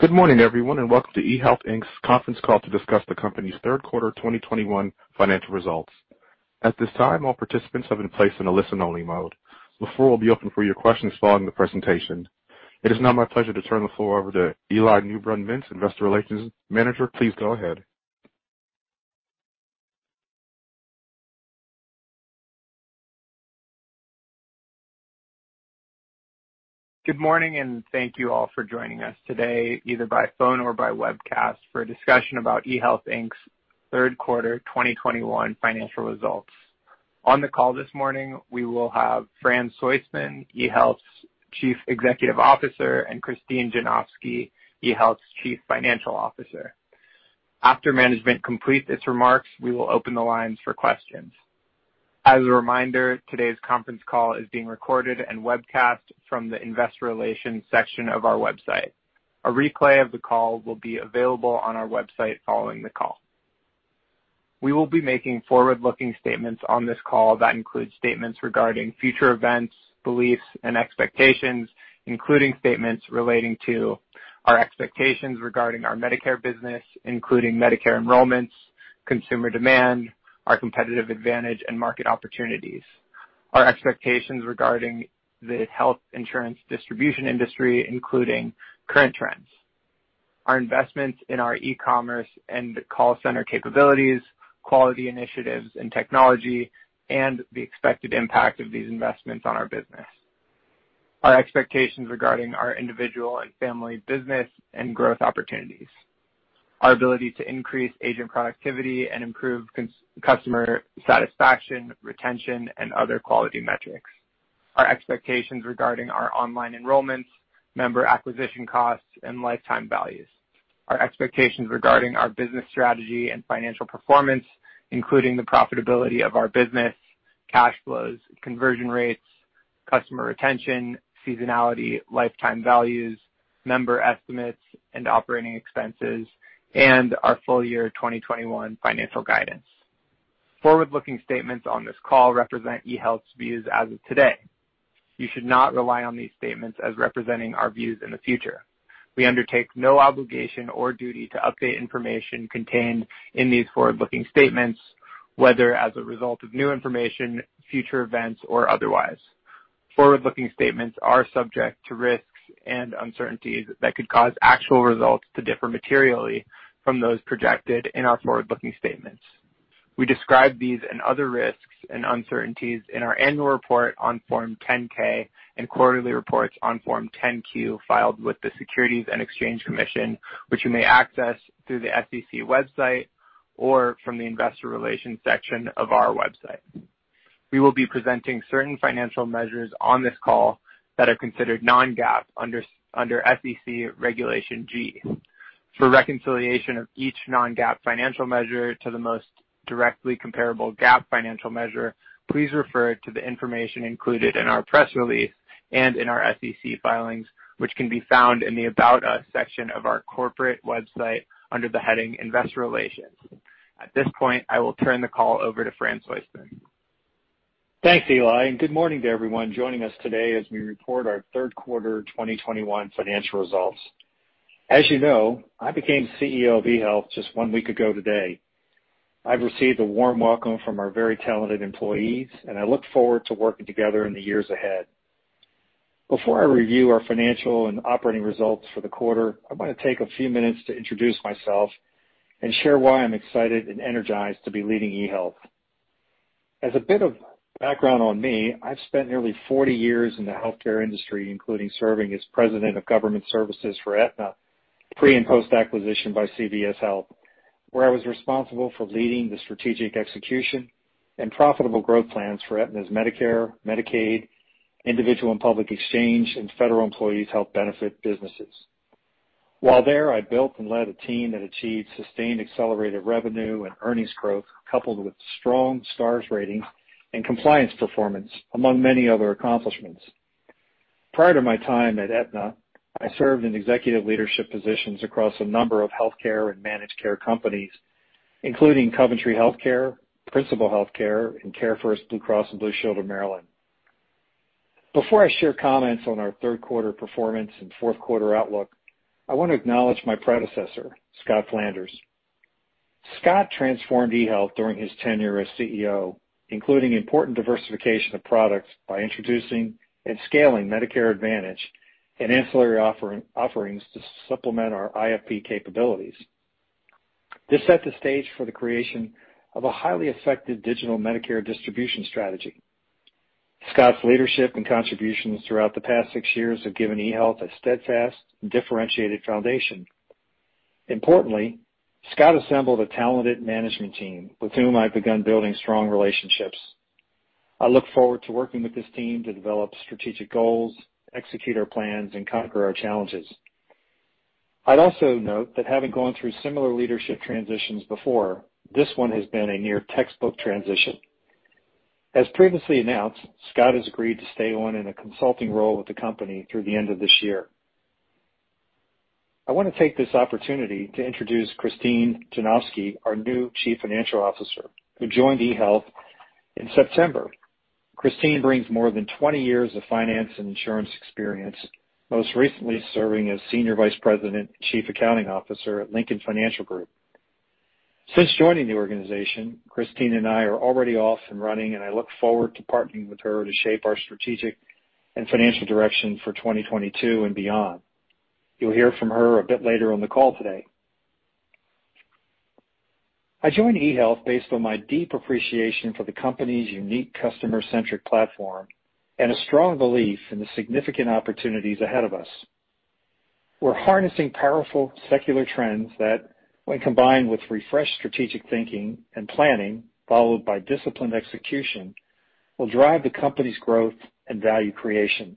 Good morning, everyone, and welcome to eHealth Inc.'s Conference Call to discuss the company's third quarter 2021 financial results. At this time, all participants have been placed in a listen-only mode. The floor will be open for your questions following the presentation. It is now my pleasure to turn the floor over to Eli Newbrun-Mintz, Investor Relations Manager. Please go ahead. Good morning, and thank you all for joining us today, either by phone or by webcast, for a discussion about eHealth, Inc.'s third quarter 2021 financial results. On the call this morning, we will have Fran Soistman, eHealth's Chief Executive Officer, and Christine Janofsky, eHealth's Chief Financial Officer. After management completes its remarks, we will open the lines for questions. As a reminder, today's conference call is being recorded and webcast from the investor relations section of our website. A replay of the call will be available on our website following the call. We will be making forward-looking statements on this call that include statements regarding future events, beliefs, and expectations, including statements relating to our expectations regarding our Medicare business, including Medicare enrollments, consumer demand, our competitive advantage, and market opportunities. Our expectations regarding the health insurance distribution industry, including current trends, our investments in our e-commerce and call center capabilities, quality initiatives and technology, and the expected impact of these investments on our business. Our expectations regarding our individual and family business and growth opportunities. Our ability to increase agent productivity and improve customer satisfaction, retention, and other quality metrics. Our expectations regarding our online enrollments, member acquisition costs, and lifetime values. Our expectations regarding our business strategy and financial performance, including the profitability of our business, cash flows, conversion rates, customer retention, seasonality, lifetime values, member estimates, and operating expenses, and our full year 2021 financial guidance. Forward-looking statements on this call represent eHealth's views as of today. You should not rely on these statements as representing our views in the future. We undertake no obligation or duty to update information contained in these forward-looking statements, whether as a result of new information, future events, or otherwise. Forward-looking statements are subject to risks and uncertainties that could cause actual results to differ materially from those projected in our forward-looking statements. We describe these and other risks and uncertainties in our annual report on Form 10-K and quarterly reports on Form 10-Q filed with the Securities and Exchange Commission, which you may access through the sec website or from the investor relations section of our website. We will be presenting certain financial measures on this call that are considered non-GAAP under SEC Regulation G. For reconciliation of each non-GAAP financial measure to the most directly comparable GAAP financial measure, please refer to the information included in our press release and in our SEC filings, which can be found in the About Us section of our corporate website under the heading Investor Relations. At this point, I will turn the call over to Fran Soistman. Thanks, Eli, and good morning to everyone joining us today as we report our third quarter 2021 financial results. As you know, I became CEO of eHealth just 1 week ago today. I've received a warm welcome from our very talented employees, and I look forward to working together in the years ahead. Before I review our financial and operating results for the quarter, I wanna take a few minutes to introduce myself and share why I'm excited and energized to be leading eHealth. As a bit of background on me, I've spent nearly 40 years in the healthcare industry, including serving as President of Government Services for Aetna, pre and post-acquisition by CVS Health, where I was responsible for leading the strategic execution and profitable growth plans for Aetna's Medicare, Medicaid, individual and public exchange, and federal employees health benefit businesses. While there, I built and led a team that achieved sustained accelerated revenue and earnings growth, coupled with strong Star Ratings and compliance performance, among many other accomplishments. Prior to my time at Aetna, I served in executive leadership positions across a number of healthcare and managed care companies, including Coventry Health Care, Principal Health Care, and CareFirst BlueCross BlueShield of Maryland. Before I share comments on our third quarter performance and fourth quarter outlook, I want to acknowledge my predecessor, Scott Flanders. Scott transformed eHealth during his tenure as CEO, including important diversification of products by introducing and scaling Medicare Advantage and ancillary offerings to supplement our IFP capabilities. This set the stage for the creation of a highly effective digital Medicare distribution strategy. Scott's leadership and contributions throughout the past six years have given eHealth a steadfast and differentiated foundation. Importantly, Scott assembled a talented management team with whom I've begun building strong relationships. I look forward to working with this team to develop strategic goals, execute our plans, and conquer our challenges. I'd also note that having gone through similar leadership transitions before, this one has been a near textbook transition. As previously announced, Scott has agreed to stay on in a consulting role with the company through the end of this year. I wanna take this opportunity to introduce Christine Janofsky, our new Chief Financial Officer, who joined eHealth in September. Christine brings more than 20 years of finance and insurance experience, most recently serving as Senior Vice President and Chief Accounting Officer at Lincoln Financial Group. Since joining the organization, Christine and I are already off and running, and I look forward to partnering with her to shape our strategic and financial direction for 2022 and beyond. You'll hear from her a bit later on the call today. I joined eHealth based on my deep appreciation for the company's unique customer-centric platform and a strong belief in the significant opportunities ahead of us. We're harnessing powerful secular trends that when combined with refreshed strategic thinking and planning, followed by disciplined execution, will drive the company's growth and value creation.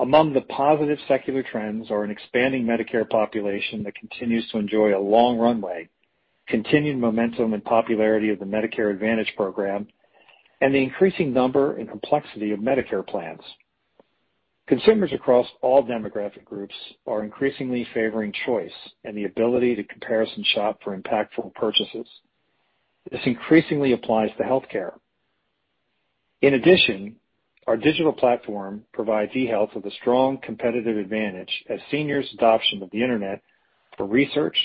Among the positive secular trends are an expanding Medicare population that continues to enjoy a long runway, continued momentum and popularity of the Medicare Advantage program, and the increasing number and complexity of Medicare plans. Consumers across all demographic groups are increasingly favoring choice and the ability to comparison shop for impactful purchases. This increasingly applies to healthcare. In addition, our digital platform provides eHealth with a strong competitive advantage as seniors' adoption of the Internet for research,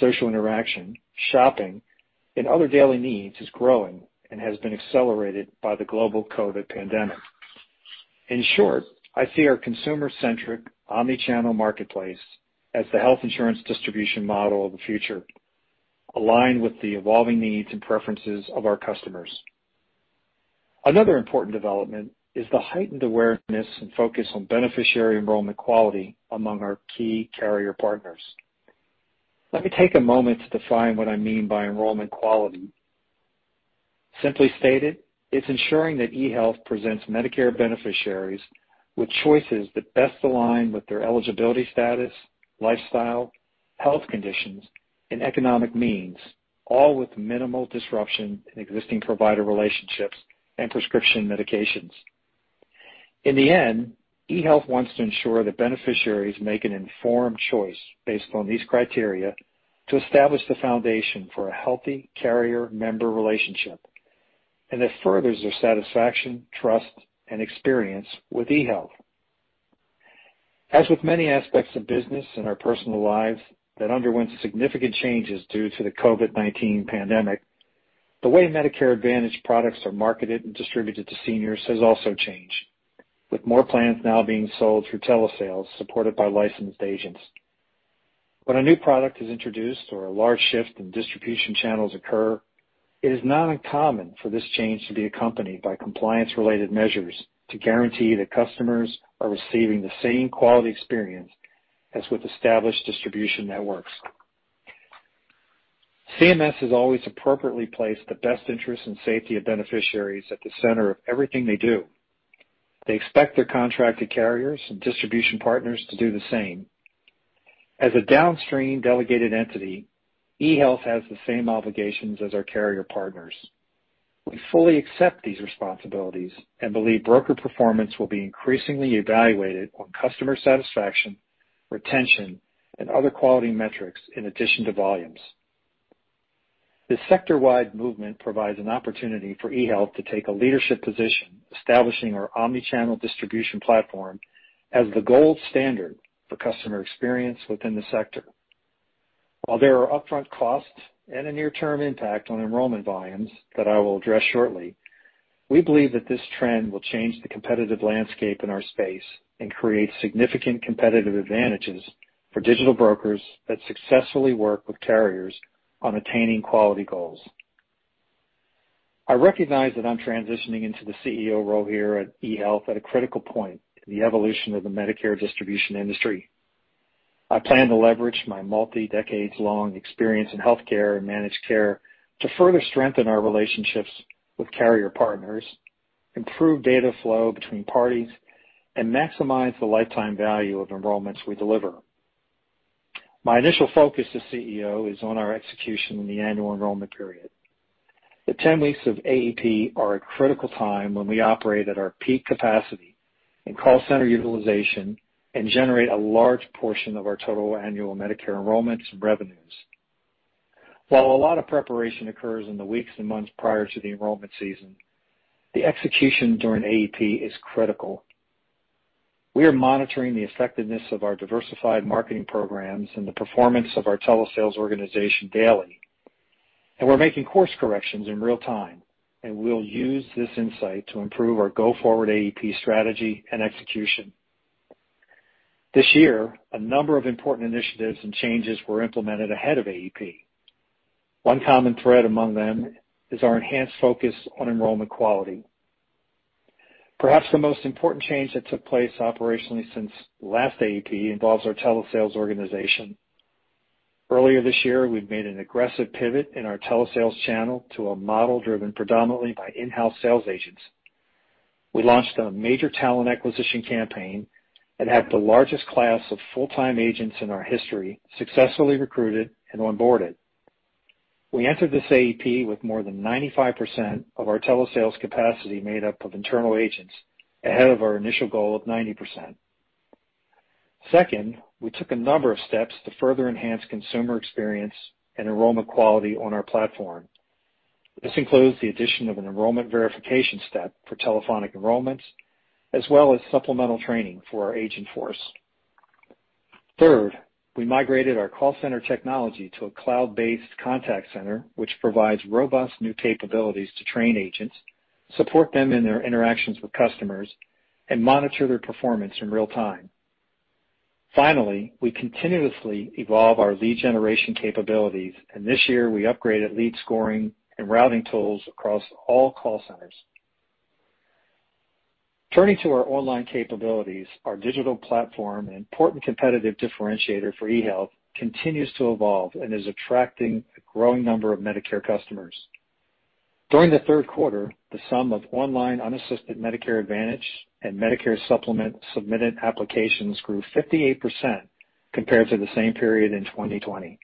social interaction, shopping, and other daily needs is growing and has been accelerated by the global COVID pandemic. In short, I see our consumer-centric omnichannel marketplace as the health insurance distribution model of the future, aligned with the evolving needs and preferences of our customers. Another important development is the heightened awareness and focus on beneficiary enrollment quality among our key carrier partners. Let me take a moment to define what I mean by enrollment quality. Simply stated, it's ensuring that eHealth presents Medicare beneficiaries with choices that best align with their eligibility status, lifestyle, health conditions, and economic means, all with minimal disruption in existing provider relationships and prescription medications. In the end, eHealth wants to ensure that beneficiaries make an informed choice based on these criteria to establish the foundation for a healthy carrier member relationship, and that furthers their satisfaction, trust, and experience with eHealth. As with many aspects of business in our personal lives that underwent significant changes due to the COVID-19 pandemic, the way Medicare Advantage products are marketed and distributed to seniors has also changed, with more plans now being sold through telesales supported by licensed agents. When a new product is introduced or a large shift in distribution channels occur, it is not uncommon for this change to be accompanied by compliance related measures to guarantee that customers are receiving the same quality experience as with established distribution networks. CMS has always appropriately placed the best interest and safety of beneficiaries at the center of everything they do. They expect their contracted carriers and distribution partners to do the same. As a downstream delegated entity, eHealth has the same obligations as our carrier partners. We fully accept these responsibilities and believe broker performance will be increasingly evaluated on customer satisfaction, retention, and other quality metrics in addition to volumes. This sector-wide movement provides an opportunity for eHealth to take a leadership position, establishing our omnichannel distribution platform as the gold standard for customer experience within the sector. While there are upfront costs and a near-term impact on enrollment volumes that I will address shortly, we believe that this trend will change the competitive landscape in our space and create significant competitive advantages for digital brokers that successfully work with carriers on attaining quality goals. I recognize that I'm transitioning into the CEO role here at eHealth at a critical point in the evolution of the Medicare distribution industry. I plan to leverage my multi-decades long experience in healthcare and managed care to further strengthen our relationships with carrier partners, improve data flow between parties, and maximize the lifetime value of enrollments we deliver. My initial focus as CEO is on our execution in the annual enrollment period. The 10 weeks of AEP are a critical time when we operate at our peak capacity in call center utilization and generate a large portion of our total annual Medicare enrollments and revenues. While a lot of preparation occurs in the weeks and months prior to the enrollment season, the execution during AEP is critical. We are monitoring the effectiveness of our diversified marketing programs and the performance of our telesales organization daily, and we're making course corrections in real time, and we'll use this insight to improve our go-forward AEP strategy and execution. This year, a number of important initiatives and changes were implemented ahead of AEP. One common thread among them is our enhanced focus on enrollment quality. Perhaps the most important change that took place operationally since last AEP involves our telesales organization. Earlier this year, we've made an aggressive pivot in our telesales channel to a model driven predominantly by in-house sales agents. We launched a major talent acquisition campaign and have the largest class of full-time agents in our history successfully recruited and onboarded. We entered this AEP with more than 95% of our telesales capacity made up of internal agents, ahead of our initial goal of 90%. Second, we took a number of steps to further enhance consumer experience and enrollment quality on our platform. This includes the addition of an enrollment verification step for telephonic enrollments, as well as supplemental training for our agent force. Third, we migrated our call center technology to a cloud-based contact center, which provides robust new capabilities to train agents, support them in their interactions with customers, and monitor their performance in real time. Finally, we continuously evolve our lead generation capabilities, and this year we upgraded lead scoring and routing tools across all call centers. Turning to our online capabilities, our digital platform, an important competitive differentiator for eHealth, continues to evolve and is attracting a growing number of Medicare customers. During the third quarter, the sum of online unassisted Medicare Advantage and Medicare Supplement submitted applications grew 58% compared to the same period in 2020.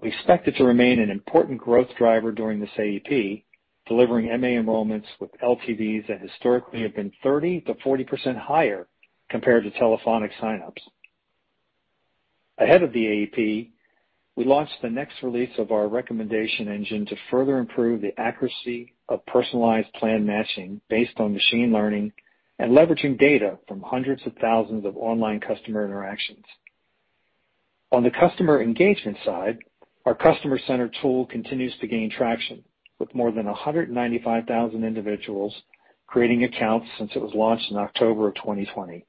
We expect it to remain an important growth driver during this AEP, delivering MA enrollments with LTVs that historically have been 30%-40% higher compared to telephonic sign-ups. Ahead of the AEP, we launched the next release of our recommendation engine to further improve the accuracy of personalized plan matching based on machine learning and leveraging data from hundreds of thousands of online customer interactions. On the customer engagement side, our Customer Center tool continues to gain traction, with more than 195,000 individuals creating accounts since it was launched in October 2020.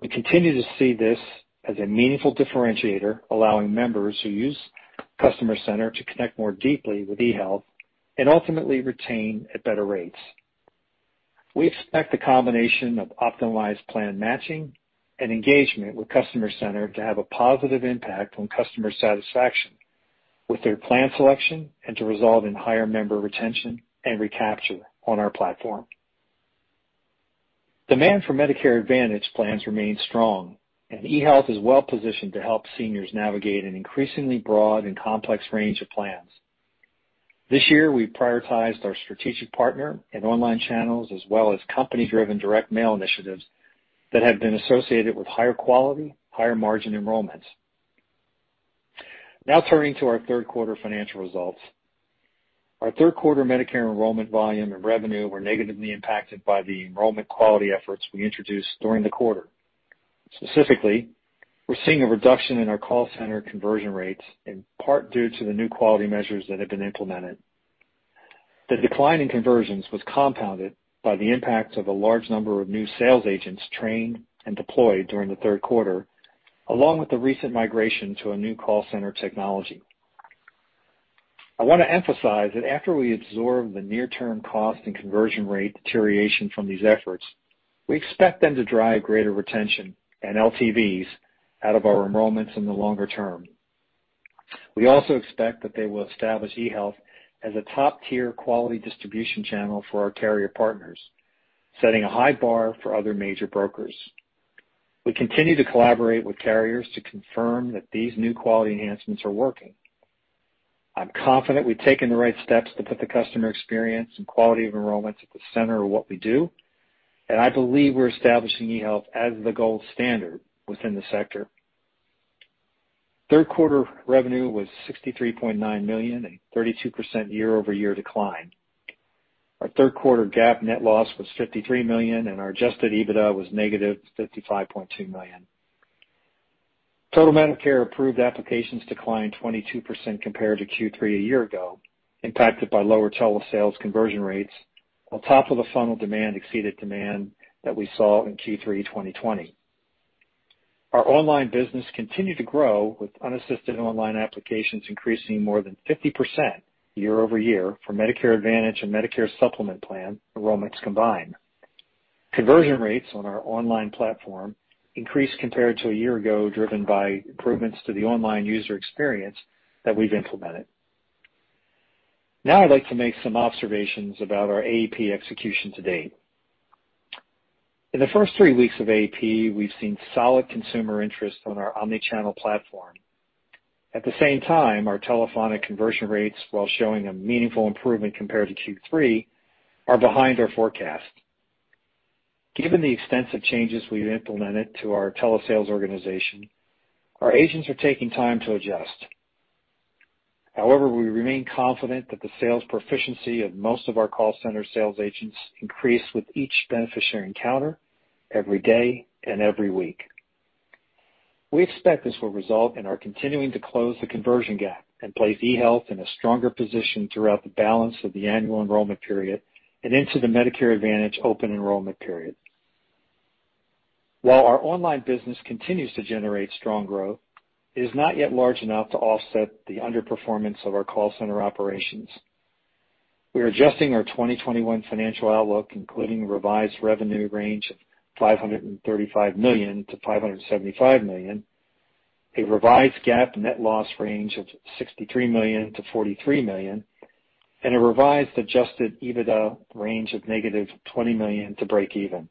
We continue to see this as a meaningful differentiator, allowing members who use Customer Center to connect more deeply with eHealth and ultimately retain at better rates. We expect the combination of optimized plan matching and engagement with Customer Center to have a positive impact on customer satisfaction with their plan selection and to result in higher member retention and recapture on our platform. Demand for Medicare Advantage plans remains strong, and eHealth is well positioned to help seniors navigate an increasingly broad and complex range of plans. This year, we've prioritized our strategic partner and online channels, as well as company-driven direct mail initiatives that have been associated with higher quality, higher margin enrollments. Now turning to our third quarter financial results. Our third quarter Medicare enrollment volume and revenue were negatively impacted by the enrollment quality efforts we introduced during the quarter. Specifically, we're seeing a reduction in our call center conversion rates, in part due to the new quality measures that have been implemented. The decline in conversions was compounded by the impact of a large number of new sales agents trained and deployed during the third quarter, along with the recent migration to a new call center technology. I want to emphasize that after we absorb the near-term cost and conversion rate deterioration from these efforts, we expect them to drive greater retention and LTVs out of our enrollments in the longer term. We also expect that they will establish eHealth as a top-tier quality distribution channel for our carrier partners, setting a high bar for other major brokers. We continue to collaborate with carriers to confirm that these new quality enhancements are working. I'm confident we've taken the right steps to put the customer experience and quality of enrollments at the center of what we do, and I believe we're establishing eHealth as the gold standard within the sector. Third quarter revenue was $63.9 million, a 32% year-over-year decline. Our third quarter GAAP net loss was $53 million, and our adjusted EBITDA was negative $55.2 million. Total Medicare approved applications declined 22% compared to Q3 a year ago, impacted by lower telesales conversion rates. On top of the funnel, demand exceeded the demand that we saw in Q3 2020. Our online business continued to grow with unassisted online applications increasing more than 50% year-over-year for Medicare Advantage and Medicare Supplement plan enrollments combined. Conversion rates on our online platform increased compared to a year ago, driven by improvements to the online user experience that we've implemented. Now I'd like to make some observations about our AEP execution to date. In the first three weeks of AEP, we've seen solid consumer interest on our omni-channel platform. At the same time, our telephonic conversion rates, while showing a meaningful improvement compared to Q3, are behind our forecast. Given the extensive changes we've implemented to our telesales organization, our agents are taking time to adjust. However, we remain confident that the sales proficiency of most of our call center sales agents increase with each beneficiary encounter every day and every week. We expect this will result in our continuing to close the conversion gap and place eHealth in a stronger position throughout the balance of the annual enrollment period and into the Medicare Advantage open enrollment period. While our online business continues to generate strong growth, it is not yet large enough to offset the underperformance of our call center operations. We are adjusting our 2021 financial outlook, including a revised revenue range of $535 million-$575 million, a revised GAAP net loss range of $63 million-$43 million, and a revised adjusted EBITDA range of negative $20 million to break even.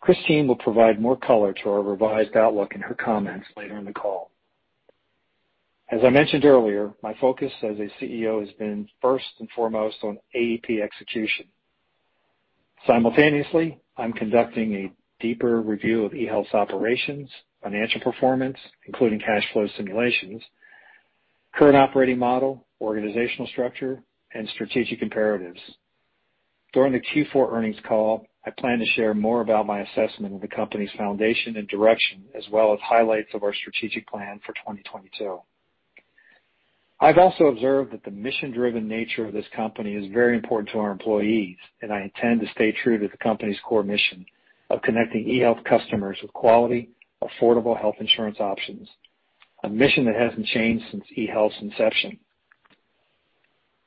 Christine will provide more color to our revised outlook in her comments later in the call. As I mentioned earlier, my focus as a CEO has been first and foremost on AEP execution. Simultaneously, I'm conducting a deeper review of eHealth's operations, financial performance, including cash flow simulations, current operating model, organizational structure, and strategic imperatives. During the Q4 earnings call, I plan to share more about my assessment of the company's foundation and direction, as well as highlights of our strategic plan for 2022. I've also observed that the mission-driven nature of this company is very important to our employees, and I intend to stay true to the company's core mission of connecting eHealth customers with quality, affordable health insurance options, a mission that hasn't changed since eHealth's inception.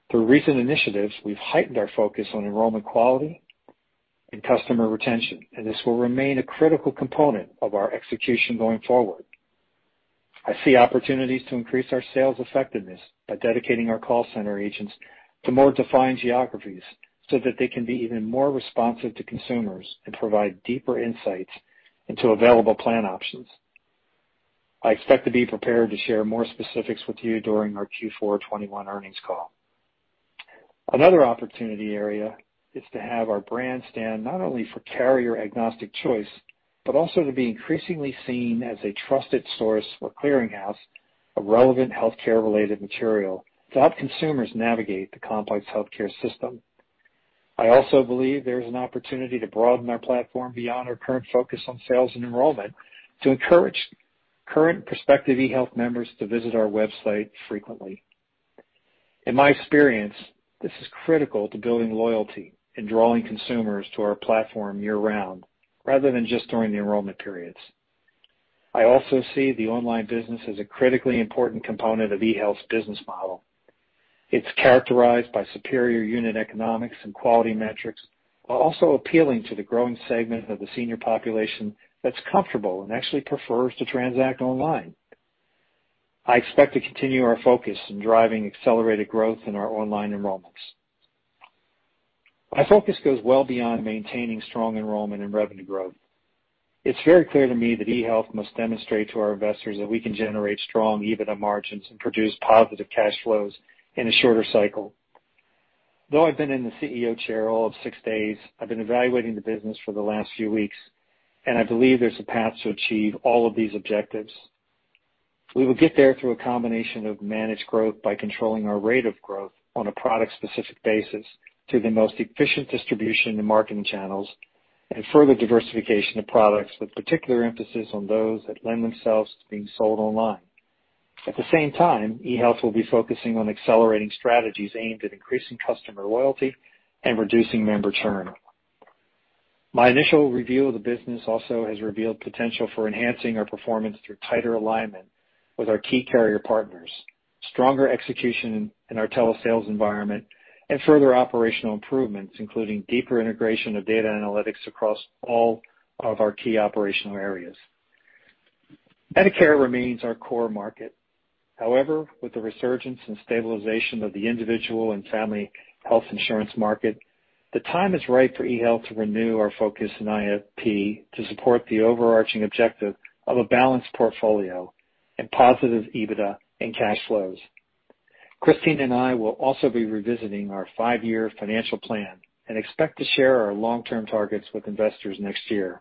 Through recent initiatives, we've heightened our focus on enrollment quality and customer retention, and this will remain a critical component of our execution going forward. I see opportunities to increase our sales effectiveness by dedicating our call center agents to more defined geographies so that they can be even more responsive to consumers and provide deeper insights into available plan options. I expect to be prepared to share more specifics with you during our Q4 2021 earnings call. Another opportunity area is to have our brand stand not only for carrier agnostic choice, but also to be increasingly seen as a trusted source or clearinghouse of relevant healthcare related material to help consumers navigate the complex healthcare system. I also believe there's an opportunity to broaden our platform beyond our current focus on sales and enrollment to encourage current prospective eHealth members to visit our website frequently. In my experience, this is critical to building loyalty and drawing consumers to our platform year-round rather than just during the enrollment periods. I also see the online business as a critically important component of eHealth's business model. It's characterized by superior unit economics and quality metrics, while also appealing to the growing segment of the senior population that's comfortable and actually prefers to transact online. I expect to continue our focus in driving accelerated growth in our online enrollments. My focus goes well beyond maintaining strong enrollment and revenue growth. It's very clear to me that eHealth must demonstrate to our investors that we can generate strong EBITDA margins and produce positive cash flows in a shorter cycle. Though I've been in the CEO chair all of six days, I've been evaluating the business for the last few weeks, and I believe there's a path to achieve all of these objectives. We will get there through a combination of managed growth by controlling our rate of growth on a product specific basis to the most efficient distribution and marketing channels, and further diversification of products, with particular emphasis on those that lend themselves to being sold online. At the same time, eHealth will be focusing on accelerating strategies aimed at increasing customer loyalty and reducing member churn. My initial review of the business also has revealed potential for enhancing our performance through tighter alignment with our key carrier partners, stronger execution in our telesales environment, and further operational improvements, including deeper integration of data analytics across all of our key operational areas. Medicare remains our core market. However, with the resurgence and stabilization of the individual and family health insurance market, the time is right for eHealth to renew our focus in IFP to support the overarching objective of a balanced portfolio and positive EBITDA and cash flows. Christine and I will also be revisiting our five-year financial plan and expect to share our long-term targets with investors next year.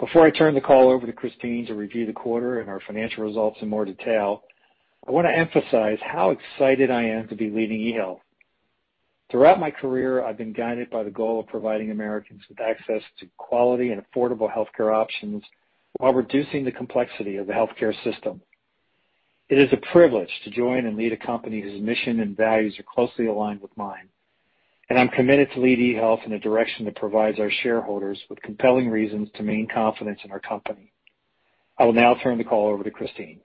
Before I turn the call over to Christine to review the quarter and our financial results in more detail, I wanna emphasize how excited I am to be leading eHealth. Throughout my career, I've been guided by the goal of providing Americans with access to quality and affordable healthcare options while reducing the complexity of the healthcare system. It is a privilege to join and lead a company whose mission and values are closely aligned with mine, and I'm committed to lead eHealth in a direction that provides our shareholders with compelling reasons to maintain confidence in our company. I will now turn the call over to Christine.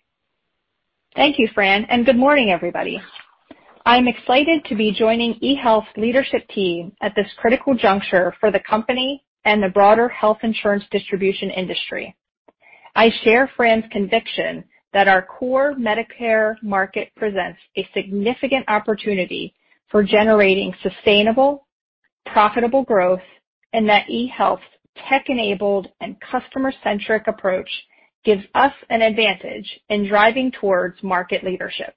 Thank you, Fran, and good morning, everybody. I'm excited to be joining eHealth leadership team at this critical juncture for the company and the broader health insurance distribution industry. I share Fran's conviction that our core Medicare market presents a significant opportunity for generating sustainable, profitable growth and that eHealth's tech-enabled and customer-centric approach gives us an advantage in driving towards market leadership.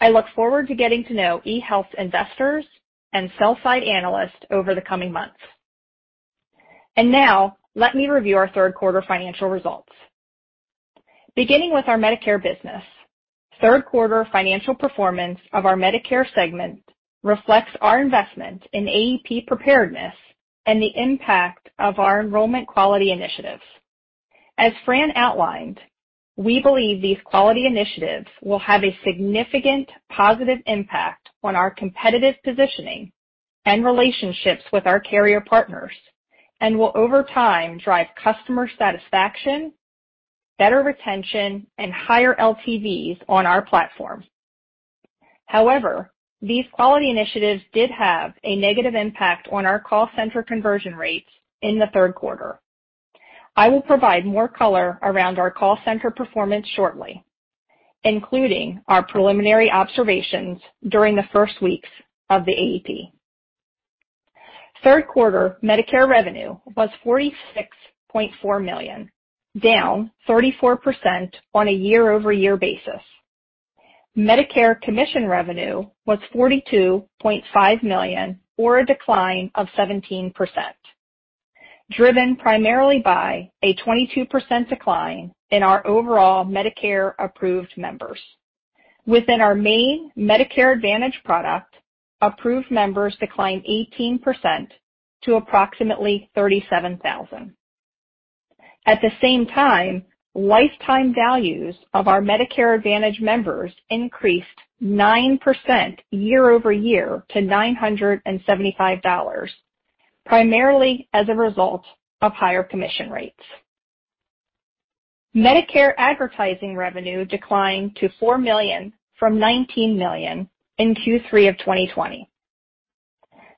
I look forward to getting to know eHealth's investors and sell-side analysts over the coming months. Now let me review our third quarter financial results. Beginning with our Medicare business, third quarter financial performance of our Medicare segment reflects our investment in AEP preparedness and the impact of our enrollment quality initiatives. As Fran outlined, we believe these quality initiatives will have a significant positive impact on our competitive positioning and relationships with our carrier partners, and will over time drive customer satisfaction, better retention, and higher LTVs on our platform. However, these quality initiatives did have a negative impact on our call center conversion rates in the third quarter. I will provide more color around our call center performance shortly, including our preliminary observations during the first weeks of the AEP. Third quarter Medicare revenue was $46.4 million, down 34% on a year-over-year basis. Medicare commission revenue was $42.5 million, or a decline of 17%, driven primarily by a 22% decline in our overall Medicare-approved members. Within our main Medicare Advantage product, approved members declined 18% to approximately 37,000. At the same time, lifetime values of our Medicare Advantage members increased 9% year-over-year to $975, primarily as a result of higher commission rates. Medicare advertising revenue declined to $4 million from $19 million in Q3 of 2020.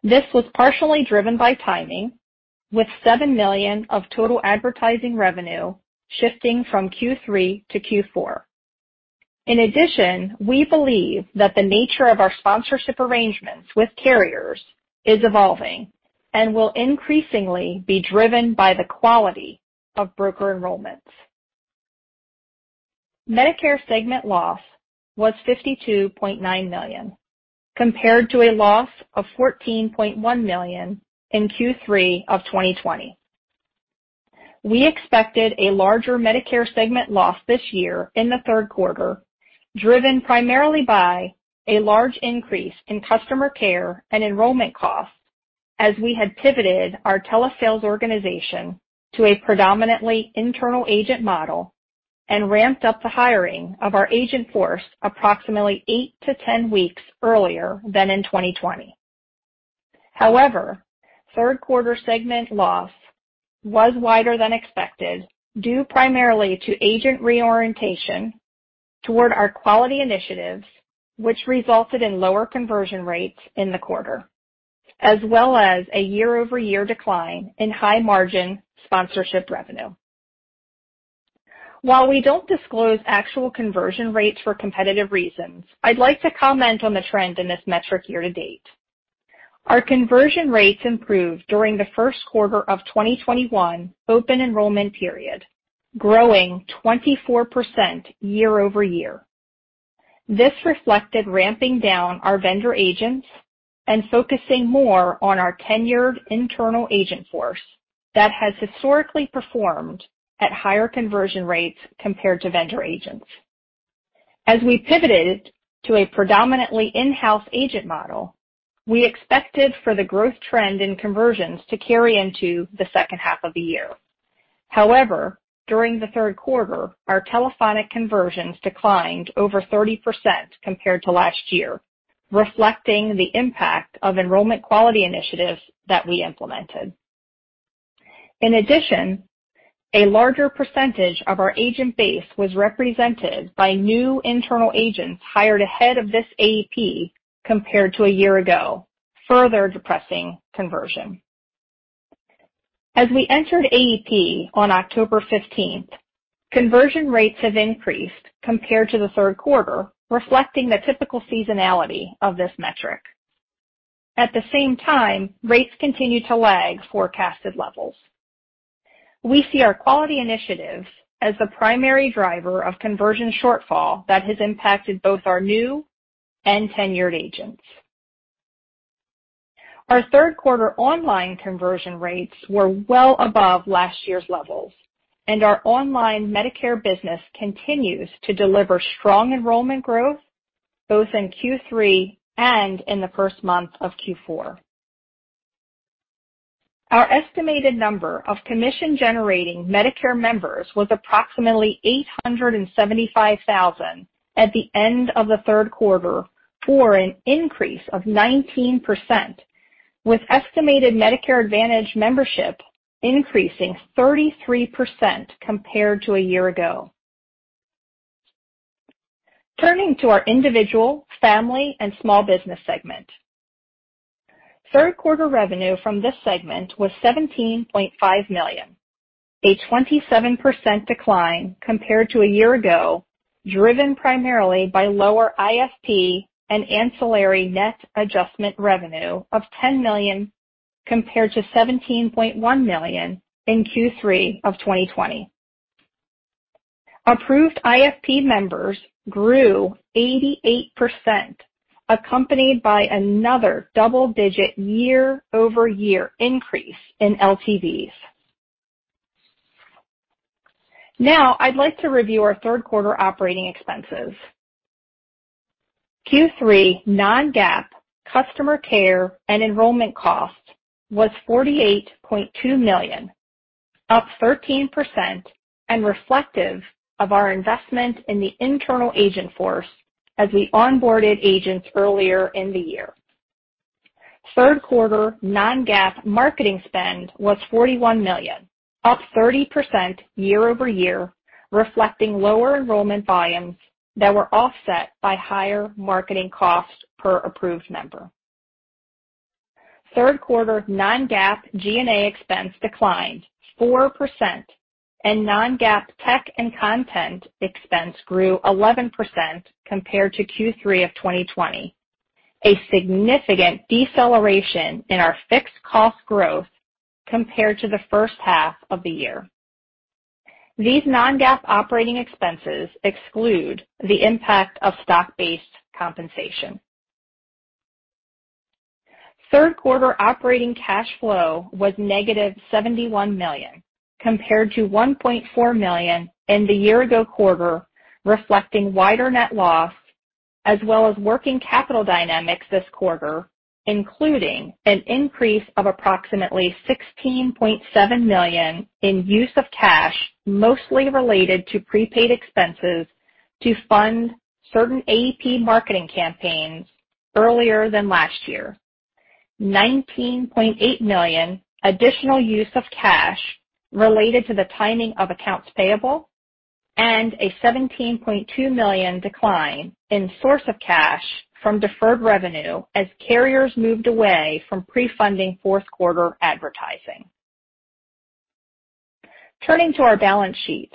This was partially driven by timing, with $7 million of total advertising revenue shifting from Q3 to Q4. In addition, we believe that the nature of our sponsorship arrangements with carriers is evolving and will increasingly be driven by the quality of broker enrollments. Medicare segment loss was $52.9 million, compared to a loss of $14.1 million in Q3 of 2020. We expected a larger Medicare segment loss this year in the third quarter, driven primarily by a large increase in customer care and enrollment costs as we had pivoted our telesales organization to a predominantly internal agent model and ramped up the hiring of our agent force approximately 8-10 weeks earlier than in 2020. However, third quarter segment loss was wider than expected, due primarily to agent reorientation toward our quality initiatives, which resulted in lower conversion rates in the quarter, as well as a year-over-year decline in high margin sponsorship revenue. While we don't disclose actual conversion rates for competitive reasons, I'd like to comment on the trend in this metric year to date. Our conversion rates improved during the first quarter of 2021 open enrollment period, growing 24% year-over-year. This reflected ramping down our vendor agents and focusing more on our tenured internal agent force that has historically performed at higher conversion rates compared to vendor agents. As we pivoted to a predominantly in-house agent model, we expected for the growth trend in conversions to carry into the second half of the year. However, during the third quarter, our telephonic conversions declined over 30% compared to last year, reflecting the impact of enrollment quality initiatives that we implemented. In addition, a larger percentage of our agent base was represented by new internal agents hired ahead of this AEP compared to a year ago, further depressing conversion. As we entered AEP on October fifteenth, conversion rates have increased compared to the third quarter, reflecting the typical seasonality of this metric. At the same time, rates continue to lag forecasted levels. We see our quality initiatives as the primary driver of conversion shortfall that has impacted both our new and tenured agents. Our third quarter online conversion rates were well above last year's levels, and our online Medicare business continues to deliver strong enrollment growth both in Q3 and in the first month of Q4. Our estimated number of commission-generating Medicare members was approximately 875,000 at the end of the third quarter, for an increase of 19%, with estimated Medicare Advantage membership increasing 33% compared to a year ago. Turning to our individual, family, and small business segment. Third quarter revenue from this segment was $17.5 million, a 27% decline compared to a year ago, driven primarily by lower IFP and ancillary net adjustment revenue of $10 million, compared to $17.1 million in Q3 of 2020. Approved IFP members grew 88%, accompanied by another double-digit year-over-year increase in LTVs. Now I'd like to review our third quarter operating expenses. Q3 non-GAAP customer care and enrollment cost was $48.2 million, up 13% and reflective of our investment in the internal agent force as we onboarded agents earlier in the year. Third quarter non-GAAP marketing spend was $41 million, up 30% year-over-year, reflecting lower enrollment volumes that were offset by higher marketing costs per approved member. Third quarter non-GAAP G&A expense declined 4%. Non-GAAP tech and content expense grew 11% compared to Q3 of 2020. A significant deceleration in our fixed cost growth compared to the first half of the year. These non-GAAP operating expenses exclude the impact of stock-based compensation. Third quarter operating cash flow was -$71 million, compared to $1.4 million in the year ago quarter, reflecting wider net loss as well as working capital dynamics this quarter, including an increase of approximately $16.7 million in use of cash, mostly related to prepaid expenses to fund certain AEP marketing campaigns earlier than last year. $19.8 million additional use of cash related to the timing of accounts payable and a $17.2 million decline in source of cash from deferred revenue as carriers moved away from pre-funding fourth quarter advertising. Turning to our balance sheet.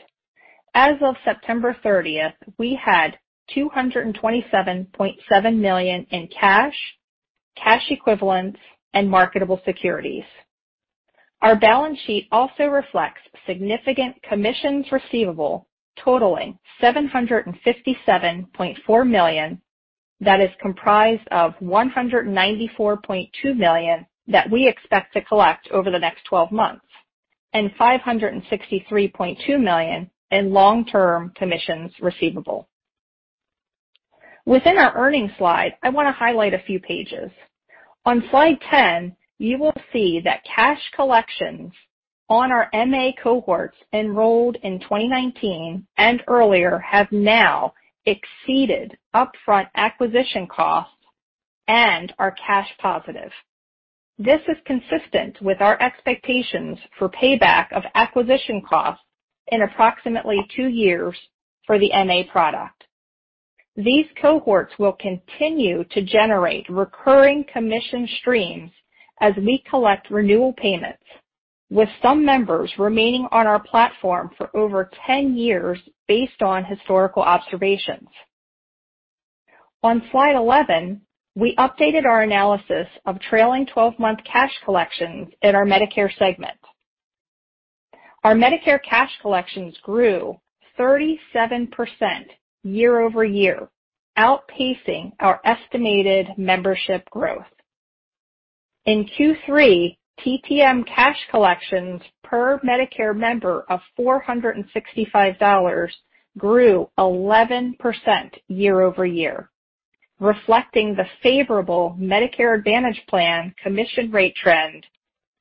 As of September 30, we had $227.7 million in cash equivalents, and marketable securities. Our balance sheet also reflects significant commissions receivable totaling $757.4 million that is comprised of $194.2 million that we expect to collect over the next 12 months, and $563.2 million in long-term commissions receivable. Within our earnings slide, I want to highlight a few pages. On slide 10, you will see that cash collections on our MA cohorts enrolled in 2019 and earlier have now exceeded upfront acquisition costs and are cash positive. This is consistent with our expectations for payback of acquisition costs in approximately 2 years for the MA product. These cohorts will continue to generate recurring commission streams as we collect renewal payments, with some members remaining on our platform for over 10 years based on historical observations. On slide 11, we updated our analysis of trailing twelve-month cash collections in our Medicare segment. Our Medicare cash collections grew 37% year-over-year, outpacing our estimated membership growth. In Q3, TTM cash collections per Medicare member of $465 grew 11% year-over-year, reflecting the favorable Medicare Advantage plan commission rate trend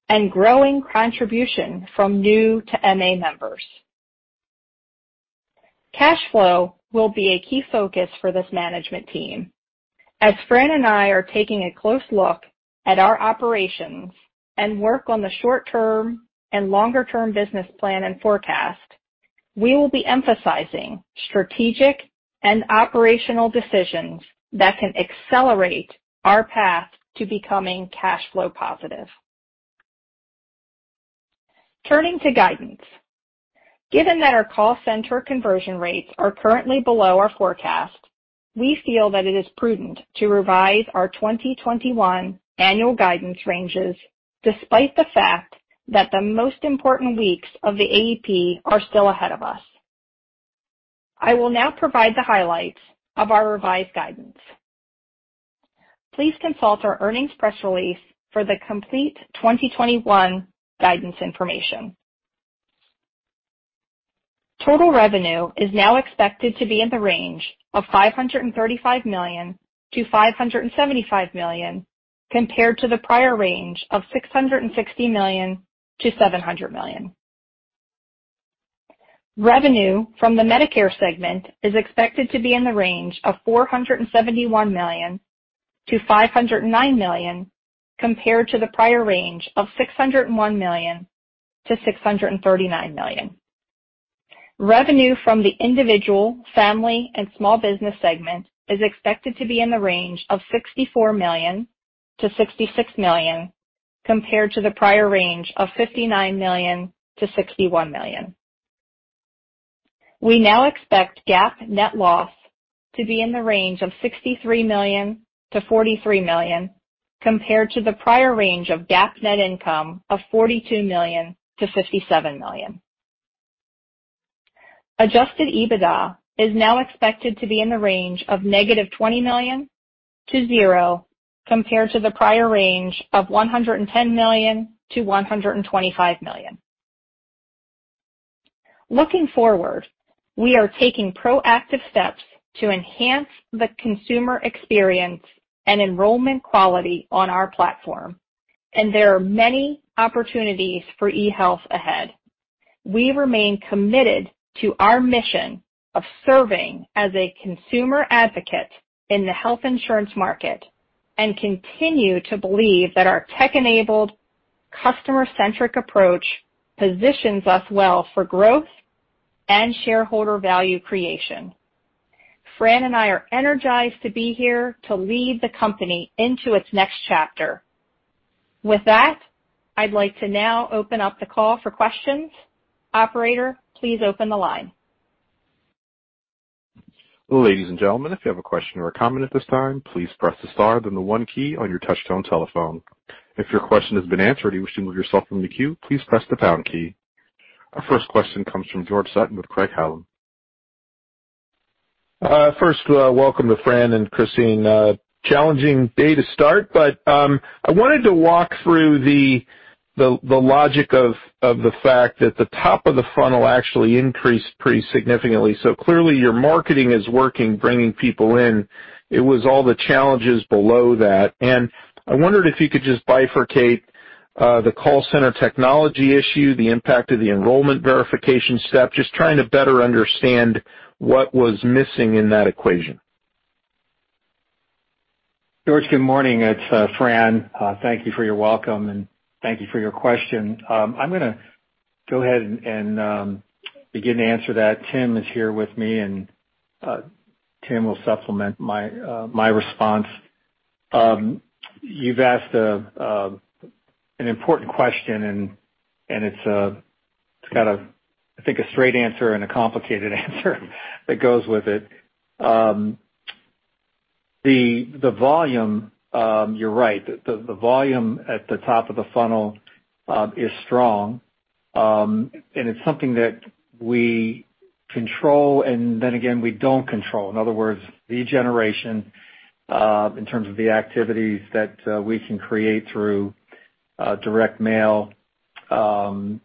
and growing contribution from new to MA members. Cash flow will be a key focus for this management team. As Fran and I are taking a close look at our operations and work on the short term and longer term business plan and forecast, we will be emphasizing strategic and operational decisions that can accelerate our path to becoming cash flow positive. Turning to guidance. Given that our call center conversion rates are currently below our forecast, we feel that it is prudent to revise our 2021 annual guidance ranges, despite the fact that the most important weeks of the AEP are still ahead of us. I will now provide the highlights of our revised guidance. Please consult our earnings press release for the complete 2021 guidance information. Total revenue is now expected to be in the range of $535 million-$575 million, compared to the prior range of $660 million-$700 million. Revenue from the Medicare segment is expected to be in the range of $471 million-$509 million, compared to the prior range of $601 million-$639 million. Revenue from the individual, family, and small business segment is expected to be in the range of $64 million-$66 million, compared to the prior range of $59 million-$61 million. We now expect GAAP net loss to be in the range of $63 million-$43 million, compared to the prior range of GAAP net income of $42 million-$57 million. Adjusted EBITDA is now expected to be in the range of -$20 million-$0, compared to the prior range of $110 million-$125 million. Looking forward, we are taking proactive steps to enhance the consumer experience and enrollment quality on our platform, and there are many opportunities for eHealth ahead. We remain committed to our mission of serving as a consumer advocate in the health insurance market and continue to believe that our tech-enabled, customer-centric approach positions us well for growth and shareholder value creation. Fran and I are energized to be here to lead the company into its next chapter. With that, I'd like to now open up the call for questions. Operator, please open the line. Our first question comes from George Sutton with Craig-Hallum. First, welcome to Fran and Christine. A challenging day to start, but I wanted to walk through the logic of the fact that the top of the funnel actually increased pretty significantly. Clearly your marketing is working, bringing people in. It was all the challenges below that. I wondered if you could just bifurcate the call center technology issue, the impact of the enrollment verification step, just trying to better understand what was missing in that equation. George, good morning. It's Fran. Thank you for your welcome, and thank you for your question. I'm gonna go ahead and begin to answer that. Tim is here with me, and Tim will supplement my response. You've asked an important question, and it's got a, I think, a straight answer and a complicated answer that goes with it. The volume, you're right. The volume at the top of the funnel is strong, and it's something that we control and then again, we don't control. In other words, lead generation in terms of the activities that we can create through direct mail, TV,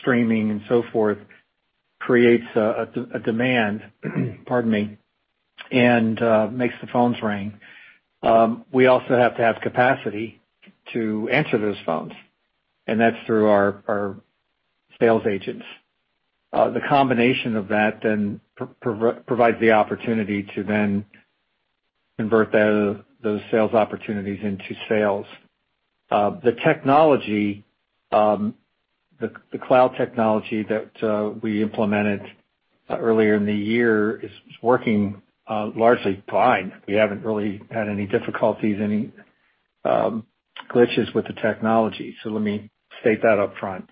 streaming and so forth, creates a demand, pardon me, and makes the phones ring. We also have to have capacity to answer those phones, and that's through our sales agents. The combination of that then provides the opportunity to then convert that those sales opportunities into sales. The technology, the cloud technology that we implemented earlier in the year is working largely fine. We haven't really had any difficulties, glitches with the technology. Let me state that up front.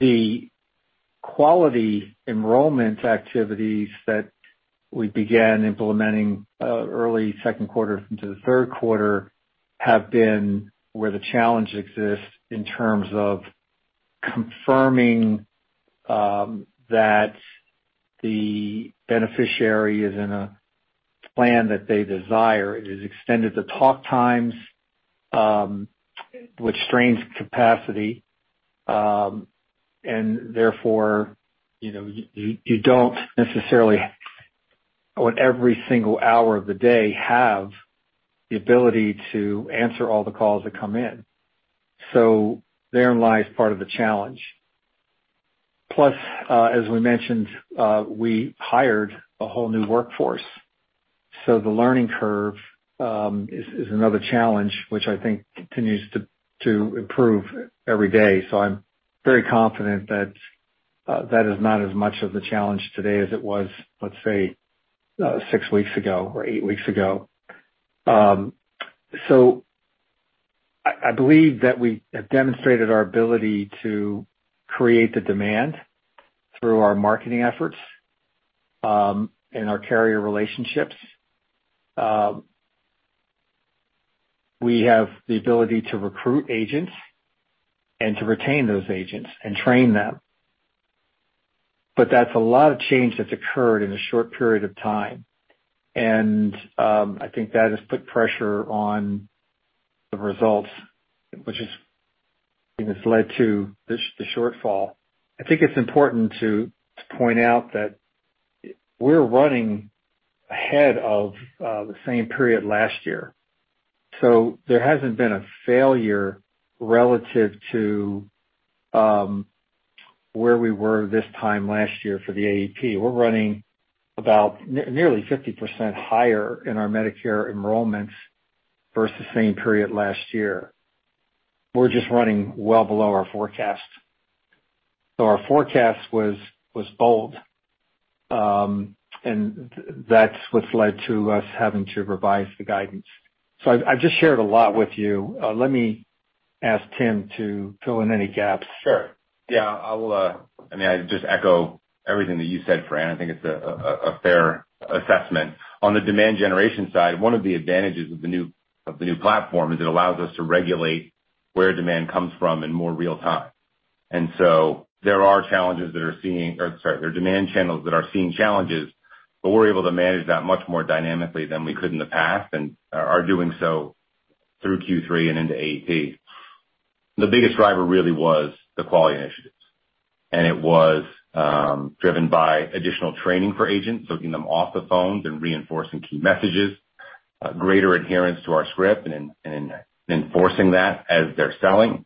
The quality enrollment activities that we began implementing early second quarter into the third quarter have been where the challenge exists in terms of confirming that the beneficiary is in a plan that they desire. It has extended the talk times, which strains capacity, and therefore, you know, you don't necessarily, on every single hour of the day, have the ability to answer all the calls that come in. Therein lies part of the challenge. Plus, as we mentioned, we hired a whole new workforce, so the learning curve is another challenge which I think continues to improve every day. I'm very confident that that is not as much of a challenge today as it was, let's say, six weeks ago or eight weeks ago. I believe that we have demonstrated our ability to create the demand through our marketing efforts, and our carrier relationships. We have the ability to recruit agents and to retain those agents and train them. That's a lot of change that's occurred in a short period of time. I think that has put pressure on the results, which, I think, has led to this, the shortfall. I think it's important to point out that we're running ahead of the same period last year, so there hasn't been a failure relative to where we were this time last year for the AEP. We're running about nearly 50% higher in our Medicare enrollments versus same period last year. We're just running well below our forecast. Our forecast was bold, and that's what's led to us having to revise the guidance. I've just shared a lot with you. Let me ask Tim to fill in any gaps. Sure. Yeah. I mean, I just echo everything that you said, Fran. I think it's a fair assessment. On the demand generation side, one of the advantages of the new platform is it allows us to regulate where demand comes from in more real time. There are demand channels that are seeing challenges, but we're able to manage that much more dynamically than we could in the past and are doing so through Q3 and into AEP. The biggest driver really was the quality initiatives, and it was driven by additional training for agents, taking them off the phones and reinforcing key messages, greater adherence to our script and enforcing that as they're selling.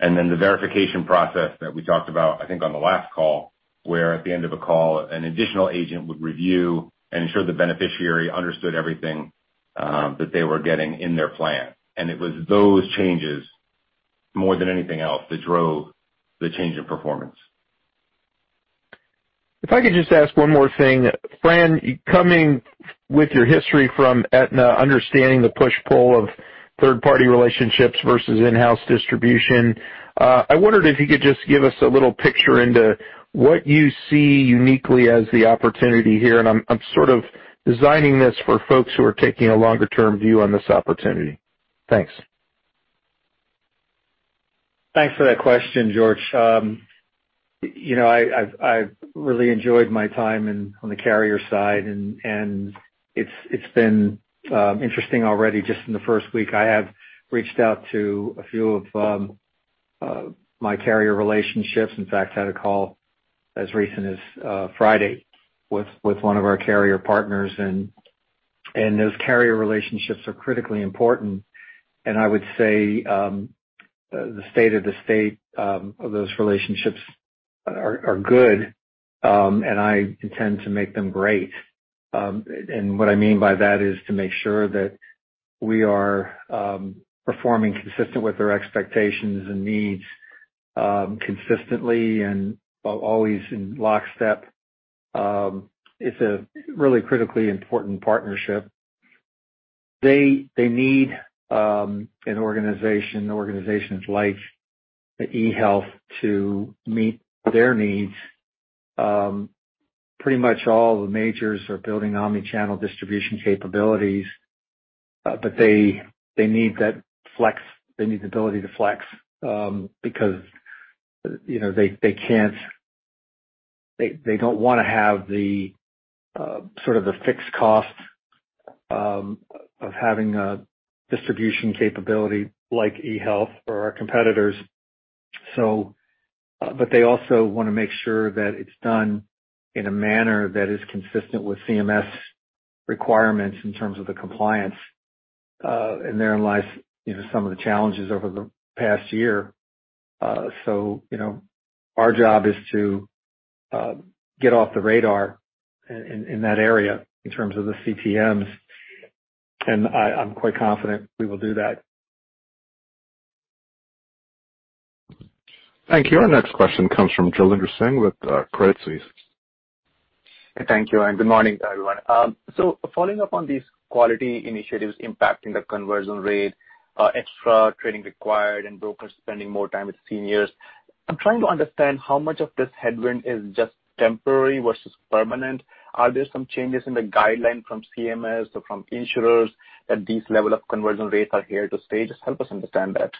The verification process that we talked about, I think, on the last call, where at the end of a call, an additional agent would review and ensure the beneficiary understood everything, that they were getting in their plan. It was those changes, more than anything else, that drove the change in performance. If I could just ask one more thing. Fran, coming with your history from Aetna, understanding the push-pull of third party relationships versus in-house distribution, I wondered if you could just give us a little picture into what you see uniquely as the opportunity here, and I'm sort of designing this for folks who are taking a longer term view on this opportunity. Thanks. Thanks for that question, George. You know, I've really enjoyed my time on the carrier side and it's been interesting already just in the first week. I have reached out to a few of my carrier relationships. In fact, I had a call as recent as Friday with one of our carrier partners and those carrier relationships are critically important. I would say, the state of those relationships are good and I intend to make them great. What I mean by that is to make sure that we are performing consistent with their expectations and needs consistently and always in lockstep. It's a really critically important partnership. They need organizations like eHealth to meet their needs. Pretty much all the majors are building omni-channel distribution capabilities, but they need that flex. They need the ability to flex, because, you know, they can't. They don't wanna have the sort of fixed cost of having a distribution capability like eHealth or our competitors. But they also wanna make sure that it's done in a manner that is consistent with CMS requirements in terms of the compliance, and therein lies, you know, some of the challenges over the past year. You know, our job is to get off the radar in that area in terms of the CTMs, and I'm quite confident we will do that. Thank you. Our next question comes from Jailendra Singh with Credit Suisse. Thank you, and good morning, everyone. Following up on these quality initiatives impacting the conversion rate, extra training required and brokers spending more time with seniors, I'm trying to understand how much of this headwind is just temporary versus permanent. Are there some changes in the guideline from CMS or from insurers that these level of conversion rates are here to stay? Just help us understand that.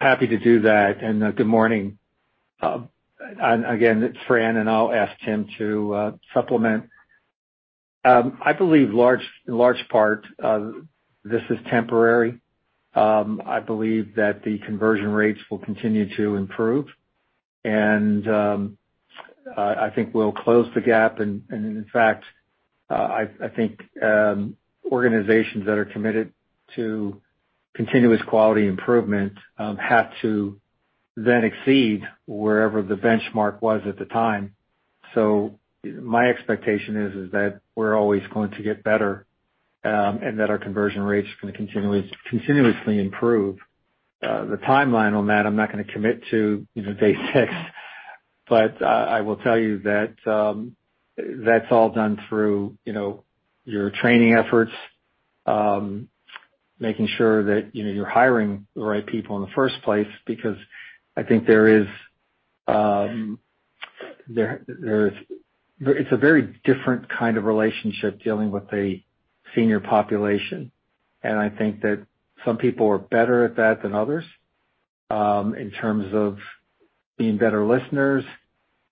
Happy to do that, good morning. Again, it's Fran, and I'll ask Tim to supplement. I believe large part of this is temporary. I believe that the conversion rates will continue to improve. I think we'll close the gap. In fact, I think organizations that are committed to continuous quality improvement have to then exceed wherever the benchmark was at the time. My expectation is that we're always going to get better, and that our conversion rates are gonna continuously improve. The timeline on that, I'm not gonna commit to, you know, day six, but I will tell you that that's all done through, you know, your training efforts, making sure that, you know, you're hiring the right people in the first place, because I think there's a very different kind of relationship dealing with a senior population, and I think that some people are better at that than others, in terms of being better listeners,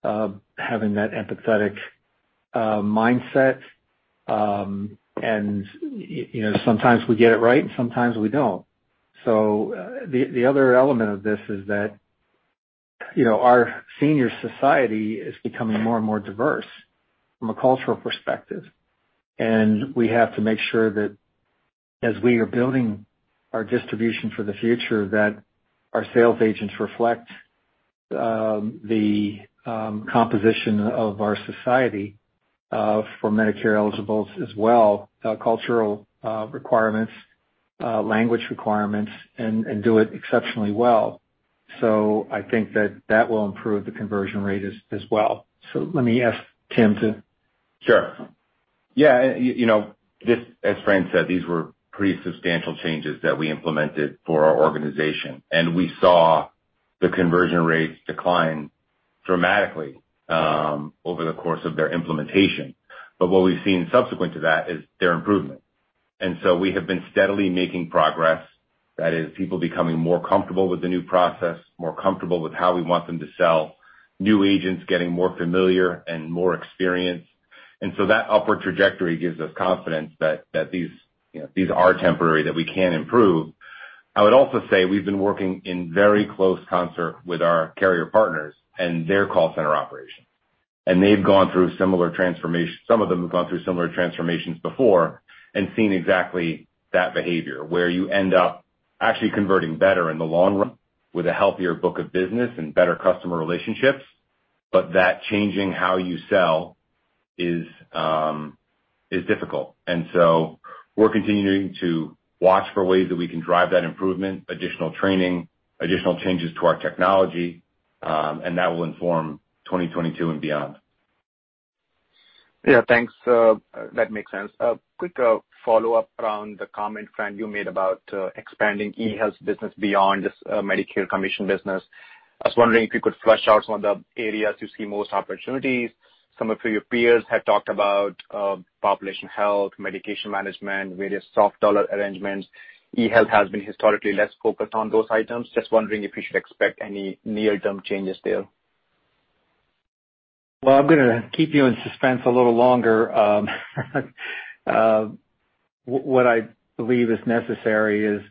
having that empathetic mindset. You know, sometimes we get it right and sometimes we don't. The other element of this is that, you know, our senior society is becoming more and more diverse from a cultural perspective, and we have to make sure that as we are building our distribution for the future, that our sales agents reflect the composition of our society for Medicare eligibles as well, cultural requirements, language requirements, and do it exceptionally well. I think that that will improve the conversion rate as well. Let me ask Tim to- Sure. Yeah, you know, this, as Fran said, these were pretty substantial changes that we implemented for our organization, and we saw the conversion rates decline dramatically over the course of their implementation. What we've seen subsequent to that is their improvement. We have been steadily making progress. That is, people becoming more comfortable with the new process, more comfortable with how we want them to sell, new agents getting more familiar and more experienced. That upward trajectory gives us confidence that these, you know, these are temporary, that we can improve. I would also say we've been working in very close concert with our carrier partners and their call center operations. They've gone through similar transformation. Some of them have gone through similar transformations before and seen exactly that behavior, where you end up actually converting better in the long run with a healthier book of business and better customer relationships, but that changing how you sell is difficult. We're continuing to watch for ways that we can drive that improvement, additional training, additional changes to our technology, and that will inform 2022 and beyond. Yeah, thanks. That makes sense. A quick follow-up around the comment, Fran, you made about expanding eHealth business beyond just Medicare commission business. I was wondering if you could flesh out some of the areas you see the most opportunities. Some of your peers have talked about population health, medication management, various soft dollar arrangements. eHealth has been historically less focused on those items. Just wondering if we should expect any near-term changes there. Well, I'm gonna keep you in suspense a little longer. What I believe is necessary is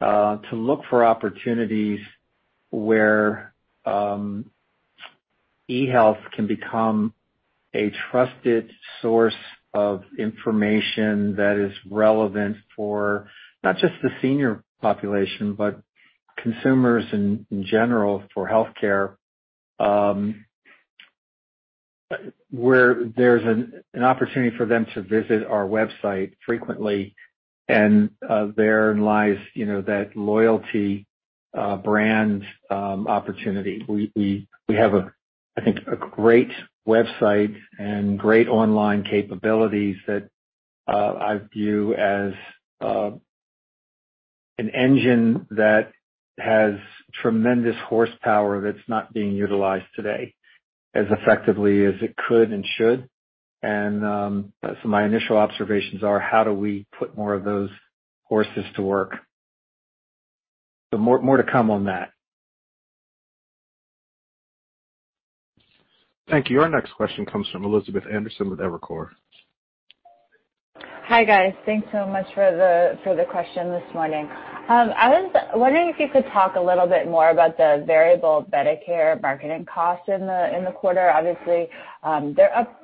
to look for opportunities where eHealth can become a trusted source of information that is relevant for not just the senior population, but consumers in general for healthcare, where there's an opportunity for them to visit our website frequently. Therein lies, you know, that loyalty, brand opportunity. We have, I think, a great website and great online capabilities that I view as an engine that has tremendous horsepower that's not being utilized today as effectively as it could and should. So my initial observations are how do we put more of those horses to work? More to come on that. Thank you. Our next question comes from Elizabeth Anderson with Evercore. Hi, guys. Thanks so much for the question this morning. I was wondering if you could talk a little bit more about the variable Medicare marketing cost in the quarter. Obviously, they're up,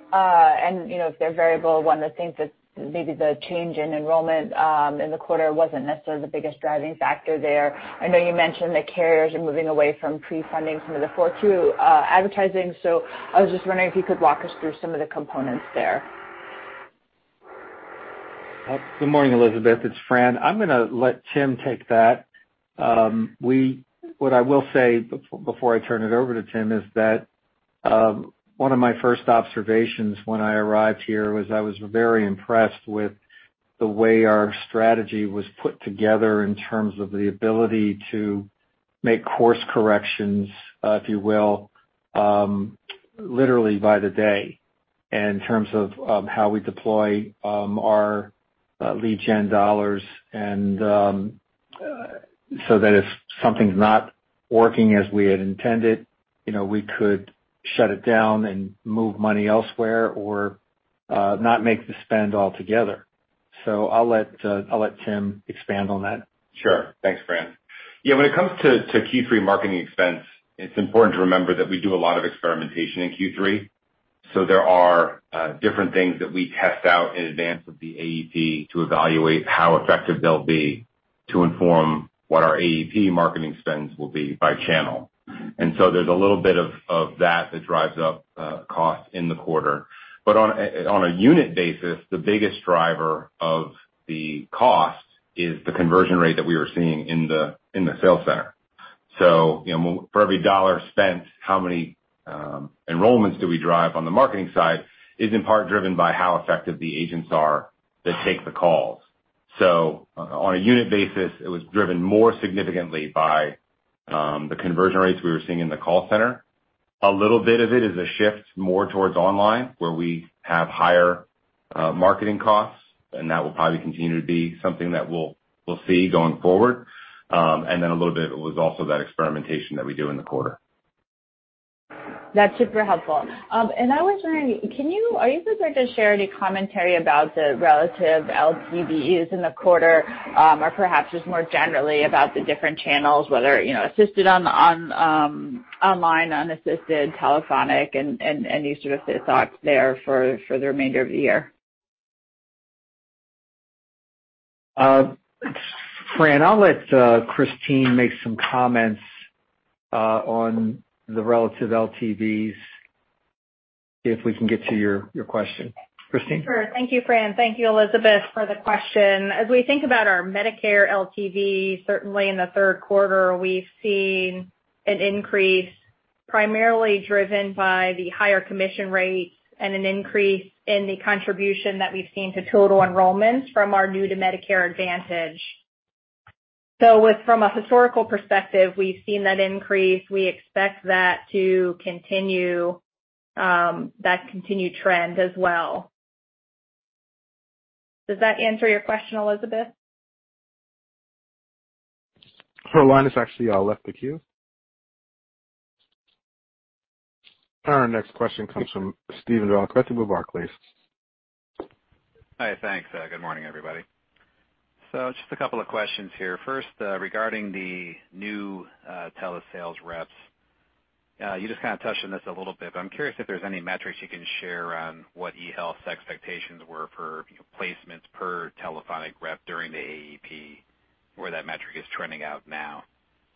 you know, if they're variable, one of the things that maybe the change in enrollment in the quarter wasn't necessarily the biggest driving factor there. I know you mentioned the carriers are moving away from pre-funding some of the co-op advertising. I was just wondering if you could walk us through some of the components there. Good morning, Elizabeth. It's Fran. I'm gonna let Tim take that. What I will say before I turn it over to Tim is that one of my first observations when I arrived here was I was very impressed with the way our strategy was put together in terms of the ability to make course corrections, if you will, literally by the day in terms of how we deploy our lead gen dollars and so that if something's not working as we had intended, you know, we could shut it down and move money elsewhere or not make the spend altogether. I'll let Tim expand on that. Sure. Thanks, Fran. Yeah, when it comes to Q3 marketing expense, it's important to remember that we do a lot of experimentation in Q3. There are different things that we test out in advance of the AEP to evaluate how effective they'll be to inform what our AEP marketing spends will be by channel. There's a little bit of that that drives up cost in the quarter. On a unit basis, the biggest driver of the cost is the conversion rate that we were seeing in the sales center. You know, for every dollar spent, how many enrollments do we drive on the marketing side is in part driven by how effective the agents are that take the calls. On a unit basis, it was driven more significantly by the conversion rates we were seeing in the call center. A little bit of it is a shift more towards online, where we have higher marketing costs, and that will probably continue to be something that we'll see going forward. Then a little bit was also that experimentation that we do in the quarter. That's super helpful. I was wondering, are you prepared to share any commentary about the relative LTVs in the quarter, or perhaps just more generally about the different channels, whether, you know, assisted, online, unassisted, telephonic, and any sort of thoughts there for the remainder of the year? Fran, I'll let Christine make some comments on the relative LTVs if we can get to your question. Christine? Sure. Thank you, Fran. Thank you, Elizabeth, for the question. As we think about our Medicare LTV, certainly in the third quarter, we've seen an increase primarily driven by the higher commission rates and an increase in the contribution that we've seen to total enrollments from our new to Medicare Advantage. With, from a historical perspective, we've seen that increase. We expect that to continue, that continued trend as well. Does that answer your question, Elizabeth? Her line has actually left the queue. Our next question comes from Steven Valiquette with Barclays. Hi. Thanks. Good morning, everybody. Just a couple of questions here. First, regarding the new telesales reps, you just kind of touched on this a little bit, but I'm curious if there's any metrics you can share on what eHealth's expectations were for placements per telephonic rep during the AEP. Where that metric is trending out now,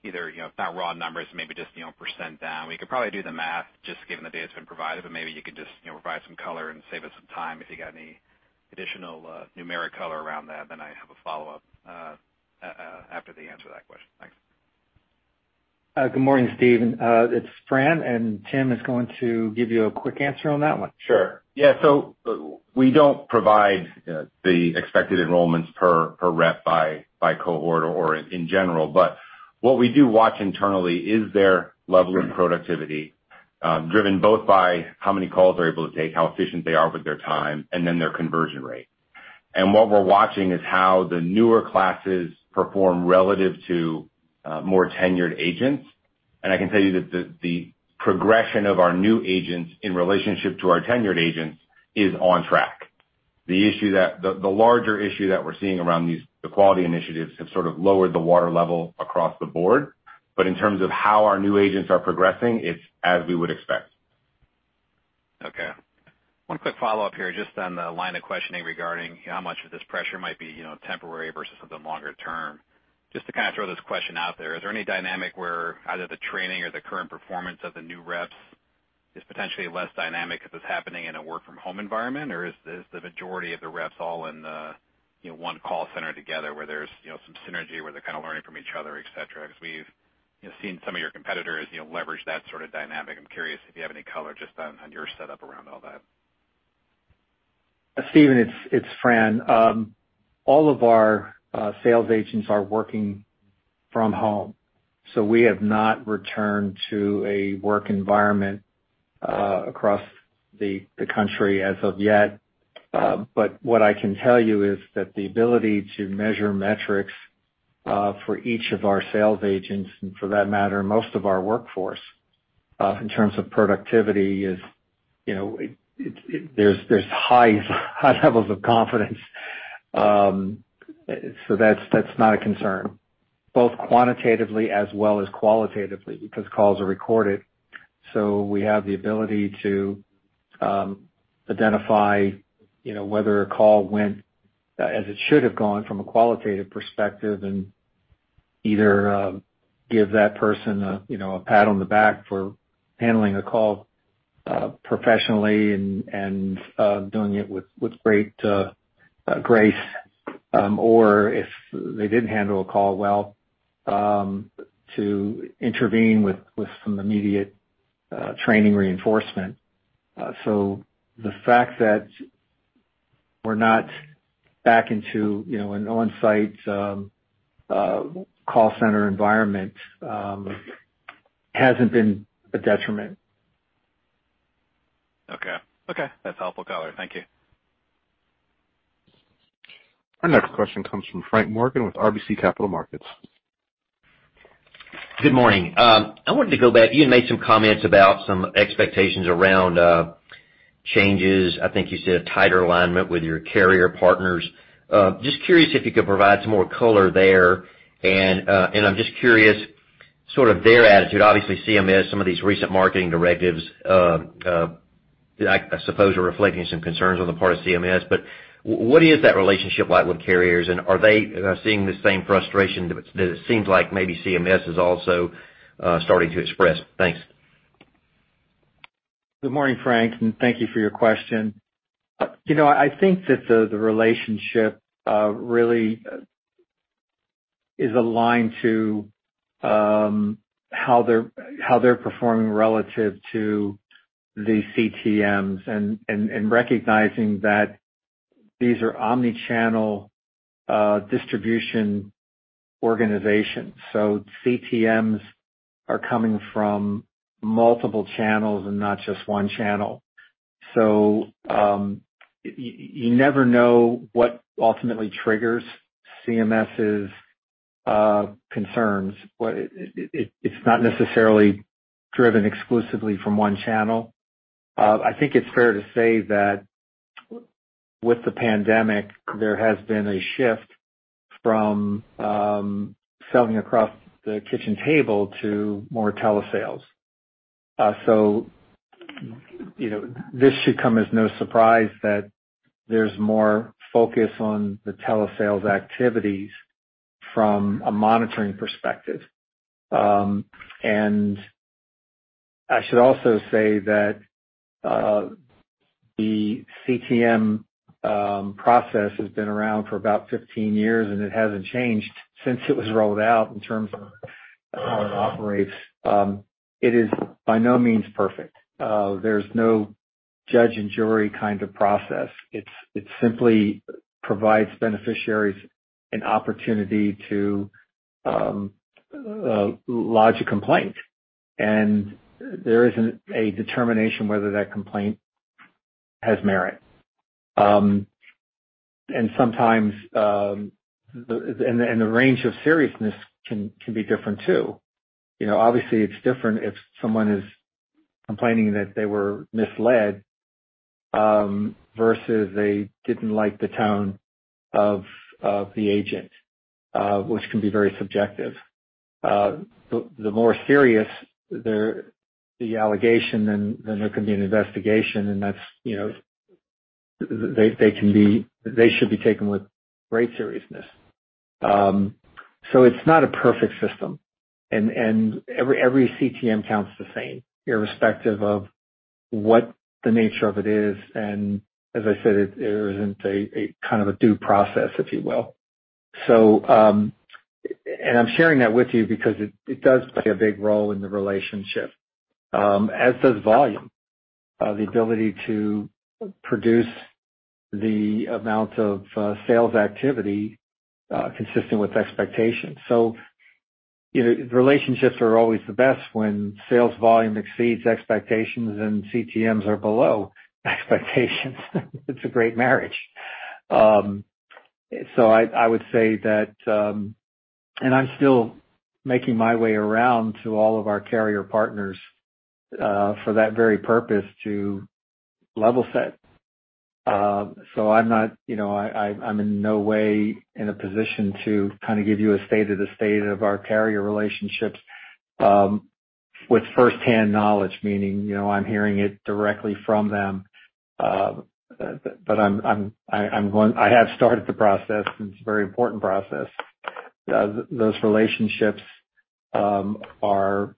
either, you know, if not raw numbers, maybe just, you know, percent down. We could probably do the math just given the data that's been provided, but maybe you could just, you know, provide some color and save us some time if you got any additional numeric color around that, then I have a follow-up after the answer to that question. Thanks. Good morning, Steve. It's Fran, and Tim is going to give you a quick answer on that one. Sure. Yeah. We don't provide the expected enrollments per rep by cohort or in general, but what we do watch internally is their level of productivity, driven both by how many calls they're able to take, how efficient they are with their time, and then their conversion rate. What we're watching is how the newer classes perform relative to more tenured agents. I can tell you that the progression of our new agents in relationship to our tenured agents is on track. The larger issue that we're seeing around these quality initiatives have sort of lowered the water level across the board. In terms of how our new agents are progressing, it's as we would expect. Okay. One quick follow-up here, just on the line of questioning regarding how much of this pressure might be, you know, temporary versus something longer term. Just to kind of throw this question out there, is there any dynamic where either the training or the current performance of the new reps is potentially less dynamic if it's happening in a work from home environment? Or is the majority of the reps all in the, you know, one call center together where there's, you know, some synergy where they're kind of learning from each other, et cetera? Because we've, you know, seen some of your competitors, you know, leverage that sort of dynamic. I'm curious if you have any color just on your setup around all that. Steven, it's Fran. All of our sales agents are working from home, so we have not returned to a work environment across the country as of yet. But what I can tell you is that the ability to measure metrics for each of our sales agents, and for that matter, most of our workforce, in terms of productivity is, you know, there are high levels of confidence. So that's not a concern, both quantitatively as well as qualitatively, because calls are recorded. So we have the ability to identify, you know, whether a call went as it should have gone from a qualitative perspective and either give that person a, you know, a pat on the back for handling a call professionally and doing it with great grace. If they didn't handle a call well, to intervene with some immediate training reinforcement. The fact that we're not back into, you know, an on-site call center environment hasn't been a detriment. Okay. That's helpful color. Thank you. Our next question comes from Frank Morgan with RBC Capital Markets. Good morning. I wanted to go back. You had made some comments about some expectations around changes. I think you said a tighter alignment with your carrier partners. Just curious if you could provide some more color there. I'm just curious, sort of their attitude, obviously CMS, some of these recent marketing directives, I suppose are reflecting some concerns on the part of CMS, but what is that relationship like with carriers? Are they seeing the same frustration that it seems like maybe CMS is also starting to express? Thanks. Good morning, Frank, and thank you for your question. You know, I think that the relationship really is aligned to how they're performing relative to the CTMs and recognizing that these are omni-channel distribution organizations. CTMs are coming from multiple channels and not just one channel. You never know what ultimately triggers CMS's concerns. It's not necessarily driven exclusively from one channel. I think it's fair to say that with the pandemic, there has been a shift from selling across the kitchen table to more telesales. You know, this should come as no surprise that there's more focus on the telesales activities from a monitoring perspective. I should also say that the CTM process has been around for about 15 years, and it hasn't changed since it was rolled out in terms of how it operates. It is by no means perfect. There's no judge and jury kind of process. It simply provides beneficiaries an opportunity to lodge a complaint. There isn't a determination whether that complaint has merit. Sometimes the range of seriousness can be different too. You know, obviously it's different if someone is complaining that they were misled versus they didn't like the tone of the agent, which can be very subjective. The more serious the allegation, then there can be an investigation and that's you know they should be taken with great seriousness. It's not a perfect system. Every CTM counts the same, irrespective of what the nature of it is. As I said, it isn't a kind of due process, if you will. I'm sharing that with you because it does play a big role in the relationship, as does volume, the ability to produce the amount of sales activity consistent with expectations. You know, relationships are always the best when sales volume exceeds expectations and CTMs are below expectations. It's a great marriage. I would say that I'm still making my way around to all of our carrier partners for that very purpose, to level set. I'm not, you know, I'm in no way in a position to kind of give you a state of the state of our carrier relationships with first-hand knowledge, meaning, you know, I'm hearing it directly from them. I have started the process, and it's a very important process. Those relationships are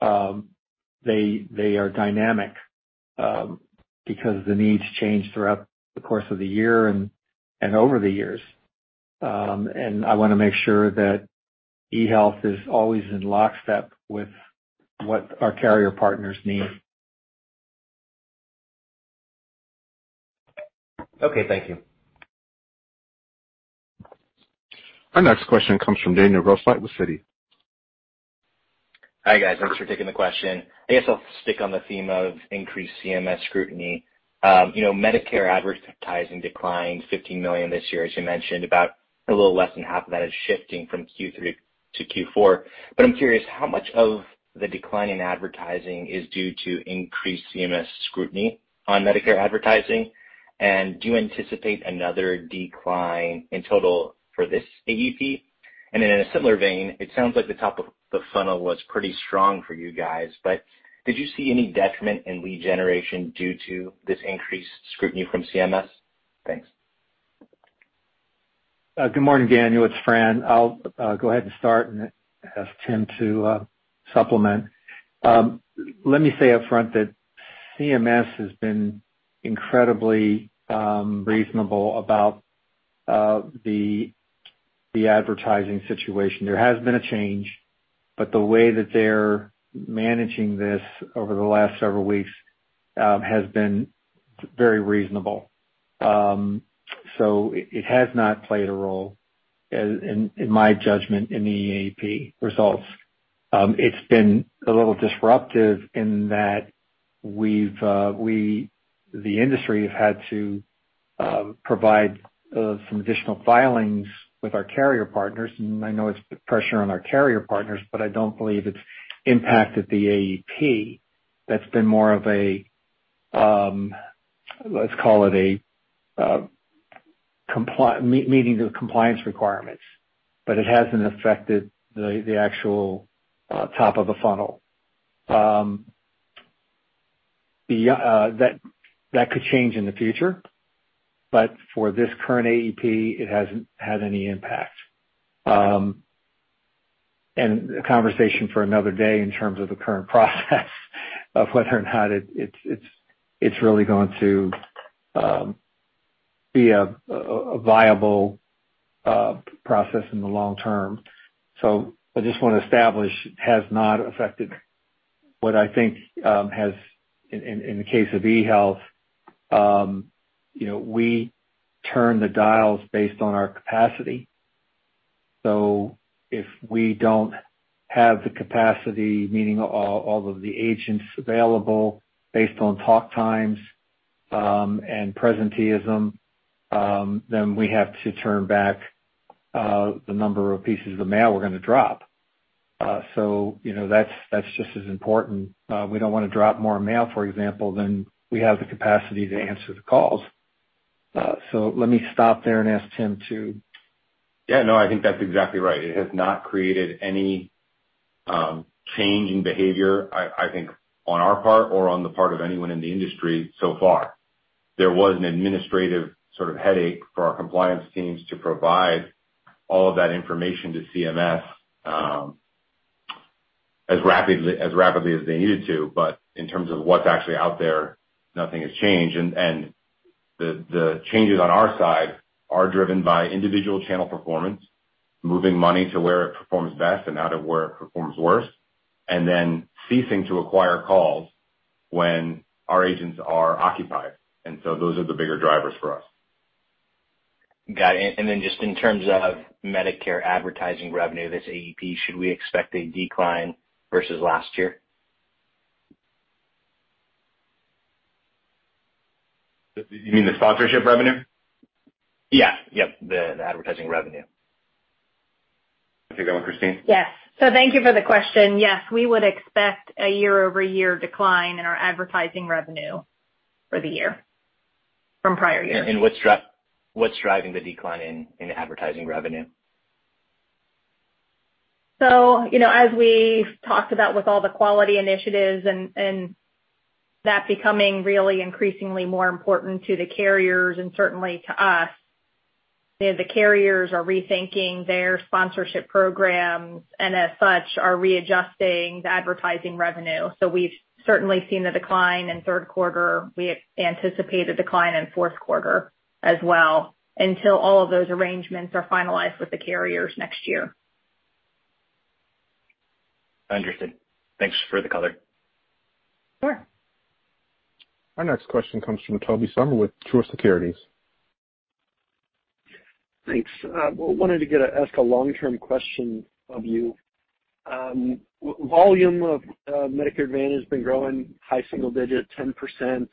dynamic because the needs change throughout the course of the year and over the years. I wanna make sure that eHealth is always in lockstep with what our carrier partners need. Okay. Thank you. Our next question comes from Daniel Grosslight with Citi. Hi, guys. Thanks for taking the question. I guess I'll stick on the theme of increased CMS scrutiny. Medicare advertising declined $50 million this year, as you mentioned. About a little less than half of that is shifting from Q3 to Q4. I'm curious, how much of the decline in advertising is due to increased CMS scrutiny on Medicare advertising? Do you anticipate another decline in total for this AEP? In a similar vein, it sounds like the top of the funnel was pretty strong for you guys, but did you see any detriment in lead generation due to this increased scrutiny from CMS? Thanks. Good morning, Daniel. It's Fran. I'll go ahead and start and ask Tim to supplement. Let me say up front that CMS has been incredibly reasonable about the advertising situation. There has been a change, but the way that they're managing this over the last several weeks has been very reasonable. So it has not played a role, in my judgment, in the AEP results. It's been a little disruptive in that the industry has had to provide some additional filings with our carrier partners, and I know it's put pressure on our carrier partners, but I don't believe it's impacted the AEP. That's been more of a, let's call it a compliance meeting the compliance requirements, but it hasn't affected the actual top of the funnel. That could change in the future, but for this current AEP, it hasn't had any impact. A conversation for another day in terms of the current process of whether or not it's really going to be a viable process in the long term. I just wanna establish it has not affected what I think has, in the case of eHealth, you know, we turn the dials based on our capacity. If we don't have the capacity, meaning all of the agents available based on talk times and presenteeism, then we have to turn back the number of pieces of mail we're gonna drop. You know, that's just as important. We don't wanna drop more mail, for example, than we have the capacity to answer the calls. Let me stop there and ask Tim to Yeah, no, I think that's exactly right. It has not created any change in behavior, I think, on our part or on the part of anyone in the industry so far. There was an administrative sort of headache for our compliance teams to provide all of that information to CMS, as rapidly as they needed to. But in terms of what's actually out there, nothing has changed. The changes on our side are driven by individual channel performance, moving money to where it performs best and out of where it performs worst, and then ceasing to acquire calls when our agents are occupied. Those are the bigger drivers for us. Got it. Just in terms of Medicare advertising revenue, this AEP, should we expect a decline versus last year? You mean the sponsorship revenue? Yeah. Yep, the advertising revenue. Take that one, Christine. Yes. Thank you for the question. Yes, we would expect a year-over-year decline in our advertising revenue for the year from prior years. What's driving the decline in advertising revenue? You know, as we talked about with all the quality initiatives and that becoming really increasingly more important to the carriers and certainly to us, the carriers are rethinking their sponsorship programs, and as such, are readjusting the advertising revenue. We've certainly seen the decline in third quarter. We anticipate a decline in fourth quarter as well until all of those arrangements are finalized with the carriers next year. Understood. Thanks for the color. Sure. Our next question comes from Tobey Sommer with Truist Securities. Thanks. Wanted to ask a long-term question of you. Volume of Medicare Advantage has been growing high single digits, 10%.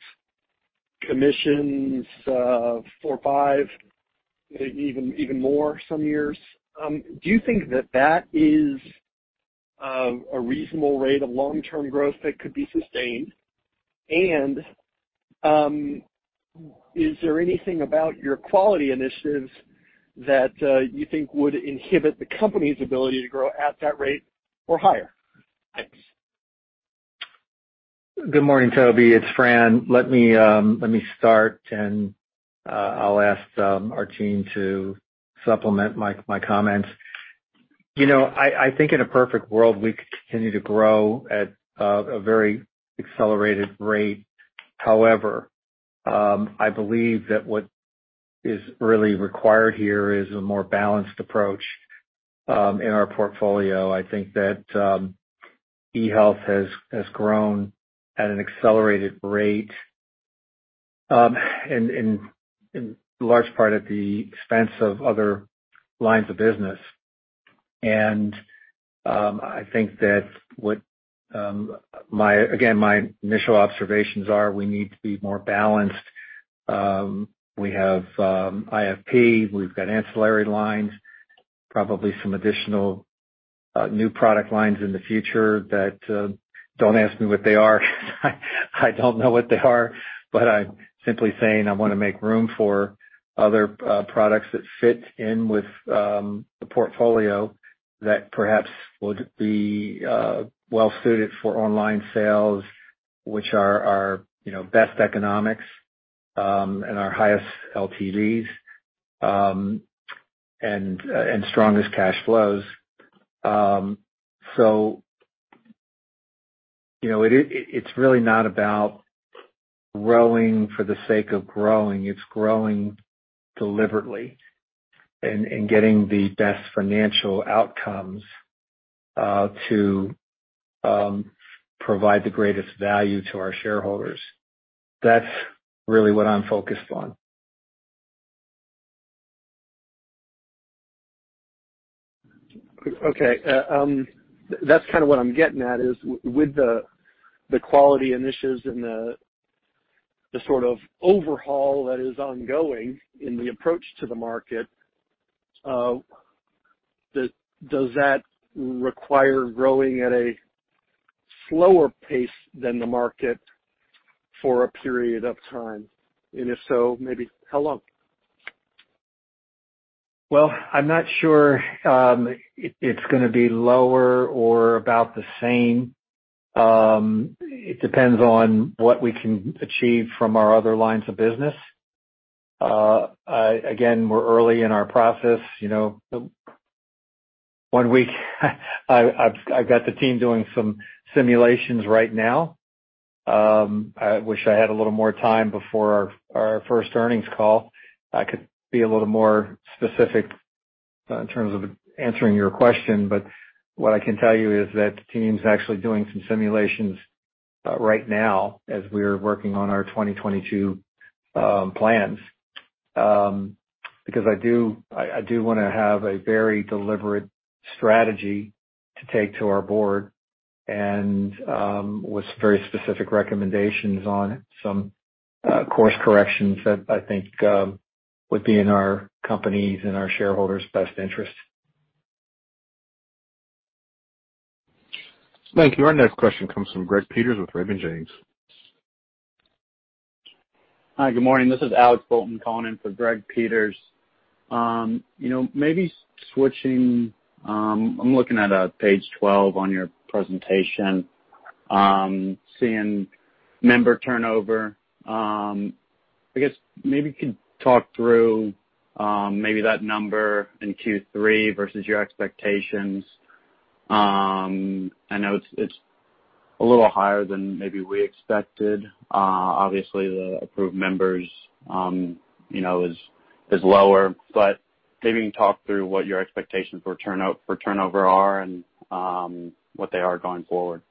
Commissions 4, 5, even more some years. Do you think that is a reasonable rate of long-term growth that could be sustained? Is there anything about your quality initiatives that you think would inhibit the company's ability to grow at that rate or higher? Thanks. Good morning, Tobey. It's Fran. Let me start, and I'll ask our team to supplement my comments. You know, I think in a perfect world, we could continue to grow at a very accelerated rate. However, I believe that what is really required here is a more balanced approach in our portfolio. I think that eHealth has grown at an accelerated rate in large part at the expense of other lines of business. I think that, again, my initial observations are we need to be more balanced. We have IFP, we've got ancillary lines, probably some additional new product lines in the future that don't ask me what they are. I don't know what they are. I'm simply saying I wanna make room for other products that fit in with the portfolio that perhaps would be well suited for online sales, which are our, you know, best economics and our highest LTVs and strongest cash flows. You know, it's really not about growing for the sake of growing. It's growing deliberately and getting the best financial outcomes to provide the greatest value to our shareholders. That's really what I'm focused on. Okay. That's kind of what I'm getting at is with the quality initiatives and the sort of overhaul that is ongoing in the approach to the market, does that require growing at a slower pace than the market for a period of time? If so, maybe how long? Well, I'm not sure it's gonna be lower or about the same. It depends on what we can achieve from our other lines of business. Again, we're early in our process. You know, one week I've got the team doing some simulations right now. I wish I had a little more time before our first earnings call. I could be a little more specific in terms of answering your question, but what I can tell you is that the team's actually doing some simulations right now as we are working on our 2022 plans. Because I do wanna have a very deliberate strategy to take to our board and with very specific recommendations on some course corrections that I think would be in our company's and our shareholders' best interest. Thank you. Our next question comes from Greg Peters with Raymond James. Hi, good morning. This is Alex Bolton calling in for Greg Peters. You know, maybe switching, I'm looking at page 12 on your presentation, seeing member turnover. I guess maybe you could talk through maybe that number in Q3 versus your expectations. I know it's a little higher than maybe we expected. Obviously the approved members, you know, is lower, but maybe you can talk through what your expectations for turnover are and what they are going forward.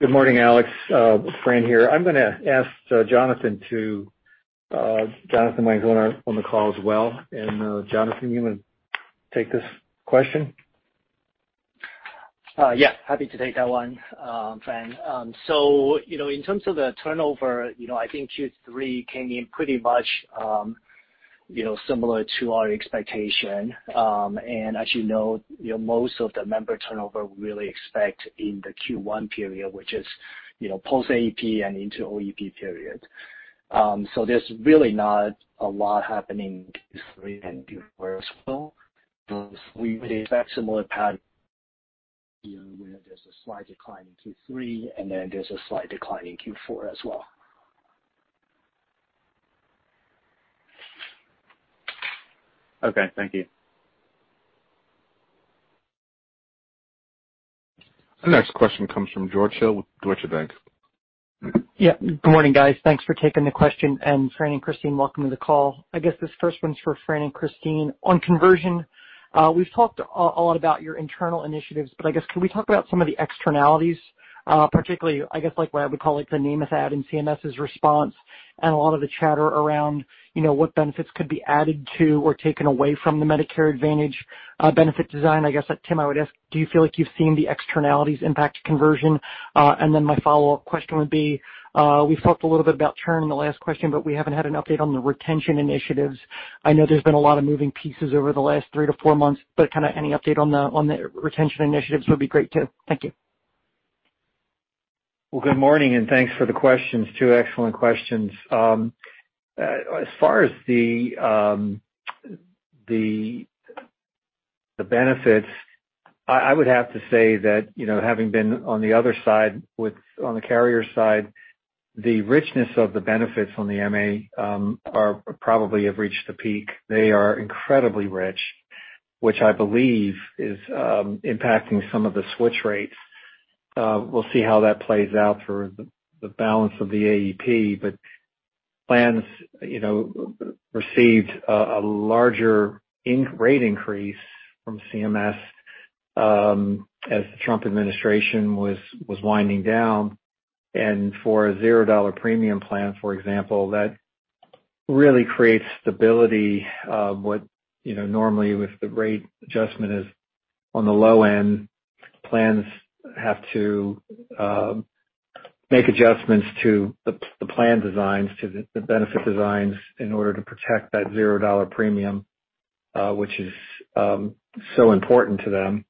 Good morning, Alex. Fran here. I'm gonna ask Jonathan. Jonathan Wang's on the call as well. Jonathan, you wanna take this question? Yeah, happy to take that one, Fran. You know, in terms of the turnover, you know, I think Q3 came in pretty much, you know, similar to our expectation. As you know, you know, most of the member turnover we really expect in the Q1 period, which is, you know, post AEP and into OEP period. There's really not a lot happening in Q3 and Q4 as well. We would expect a similar pattern, you know, where there's a slight decline in Q3, and then there's a slight decline in Q4 as well. Okay. Thank you. The next question comes from George Hill with Deutsche Bank. Yeah, good morning, guys. Thanks for taking the question, and Fran and Christine, welcome to the call. I guess this first one's for Fran and Christine. On conversion, we've talked a lot about your internal initiatives, but I guess can we talk about some of the externalities, particularly, I guess, like what I would call, like, the name add in CMS's response and a lot of the chatter around, you know, what benefits could be added to or taken away from the Medicare Advantage benefit design. I guess, Tim, I would ask, do you feel like you've seen the externalities impact conversion? My follow-up question would be, we talked a little bit about churn in the last question, but we haven't had an update on the retention initiatives. I know there's been a lot of moving pieces over the last 3-4 months, but kinda any update on the retention initiatives would be great, too. Thank you. Well, good morning, and thanks for the questions. Two excellent questions. As far as the benefits, I would have to say that, you know, having been on the other side on the carrier side, the richness of the benefits on the MA probably have reached a peak. They are incredibly rich, which I believe is impacting some of the switch rates. We'll see how that plays out for the balance of the AEP, but plans, you know, received a larger rate increase from CMS as the Trump administration was winding down. For a $0 premium plan, for example, that really creates stability of what, you know, normally with the rate adjustment is on the low end. Plans have to make adjustments to the plan designs, to the benefit designs in order to protect that $0 premium, which is so important to them.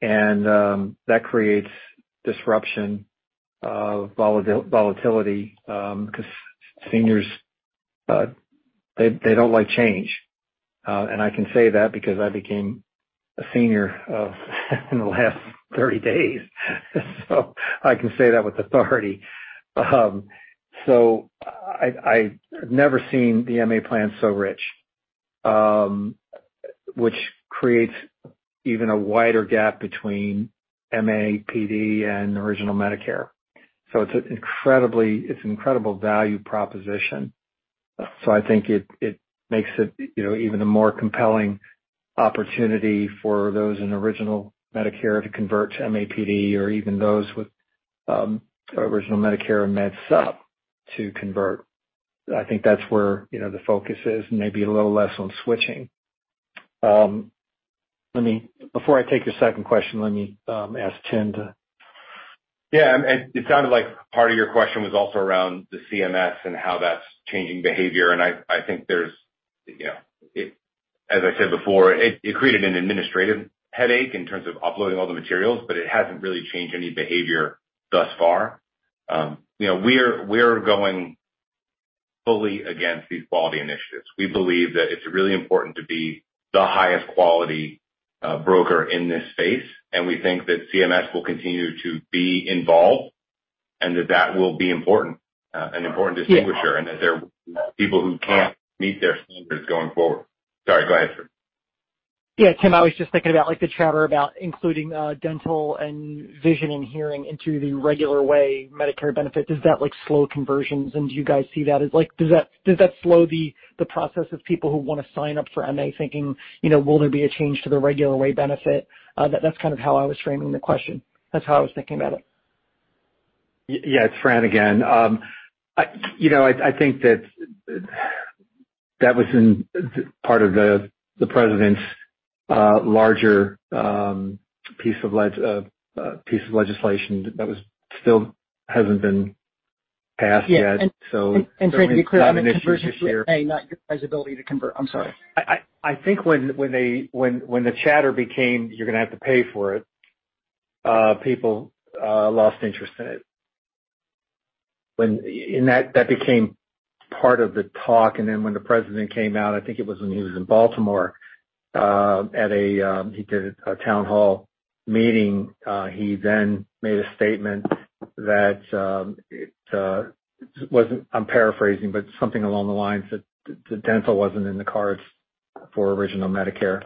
That creates disruption, volatility, 'cause seniors, they don't like change. I can say that because I became a senior in the last 30 days. I can say that with authority. I have never seen the MA plan so rich, which creates even a wider gap between MA, PD, and Original Medicare. It's an incredible value proposition. I think it makes it, you know, even a more compelling opportunity for those in Original Medicare to convert to MAPD or even those with Original Medicare and Med Sup to convert. I think that's where, you know, the focus is, maybe a little less on switching. Before I take your second question, let me ask Tim to- Yeah. It sounded like part of your question was also around the CMS and how that's changing behavior. I think there's, you know, as I said before, it created an administrative headache in terms of uploading all the materials, but it hasn't really changed any behavior thus far. You know, we're going fully against these quality initiatives. We believe that it's really important to be the highest quality broker in this space, and we think that CMS will continue to be involved and that will be important and important distinguisher. Yeah. That they're people who can't meet their standards going forward. Sorry, go ahead, sir. Yeah, Tim, I was just thinking about, like, the chatter about including dental and vision and hearing into the regular Medicare benefit. Does that, like, slow conversions? Do you guys see that as like? Does that slow the process of people who wanna sign up for MA thinking, you know, will there be a change to the regular Medicare benefit? That's kind of how I was framing the question. That's how I was thinking about it. Yeah, it's Fran again. You know, I think that was in part of the president's larger piece of legislation that still hasn't been passed yet. Yeah. So- Fran, to be clear, on conversion to MA, not your guys' ability to convert. I'm sorry. I think when the chatter became, "You're gonna have to pay for it," people lost interest in it when that became part of the talk. When the president came out, I think it was when he was in Baltimore, he did a town hall meeting, he then made a statement that it wasn't. I'm paraphrasing, but something along the lines that the dental wasn't in the cards for Original Medicare.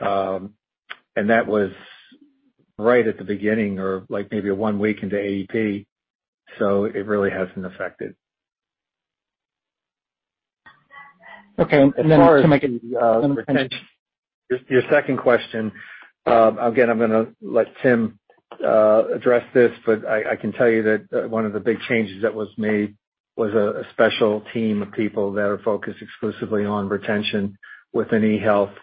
That was right at the beginning or, like, maybe one week into AEP, so it really hasn't affected. Okay. To make it As far as retention, your second question, again, I'm gonna let Tim address this, but I can tell you that one of the big changes that was made was a special team of people that are focused exclusively on retention within eHealth.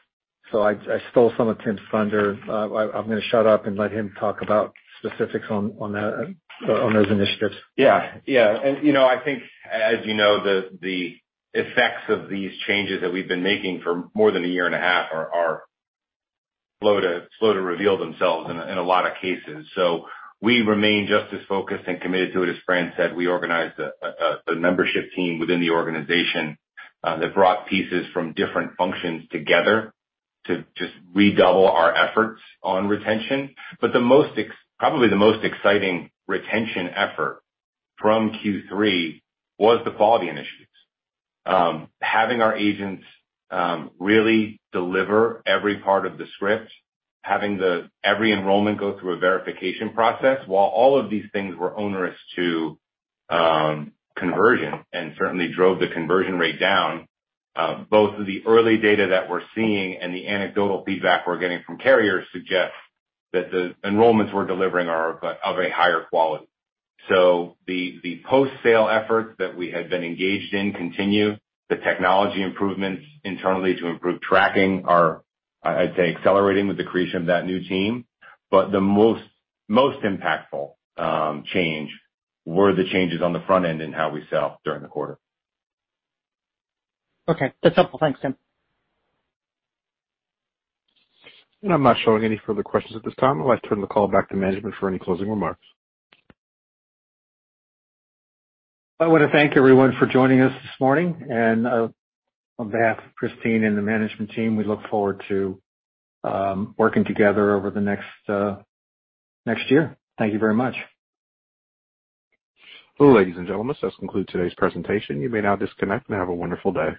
I stole some of Tim's thunder. I'm gonna shut up and let him talk about specifics on those initiatives. Yeah. Yeah. You know, I think, as you know, the effects of these changes that we've been making for more than a year and a half are slow to reveal themselves in a lot of cases. We remain just as focused and committed to it. As Fran said, we organized a membership team within the organization that brought pieces from different functions together to just redouble our efforts on retention. Probably the most exciting retention effort from Q3 was the quality initiatives, having our agents really deliver every part of the script, having every enrollment go through a verification process. While all of these things were onerous to conversion and certainly drove the conversion rate down, both the early data that we're seeing and the anecdotal feedback we're getting from carriers suggest that the enrollments we're delivering are of a higher quality. The post-sale efforts that we had been engaged in continue. The technology improvements internally to improve tracking are, I'd say, accelerating with the creation of that new team. The most impactful change were the changes on the front end in how we sell during the quarter. Okay. That's helpful. Thanks, Tim. I'm not showing any further questions at this time. I'd like to turn the call back to management for any closing remarks. I wanna thank everyone for joining us this morning, and on behalf of Christine and the management team, we look forward to working together over the next year. Thank you very much. Ladies and gentlemen, this concludes today's presentation. You may now disconnect, and have a wonderful day.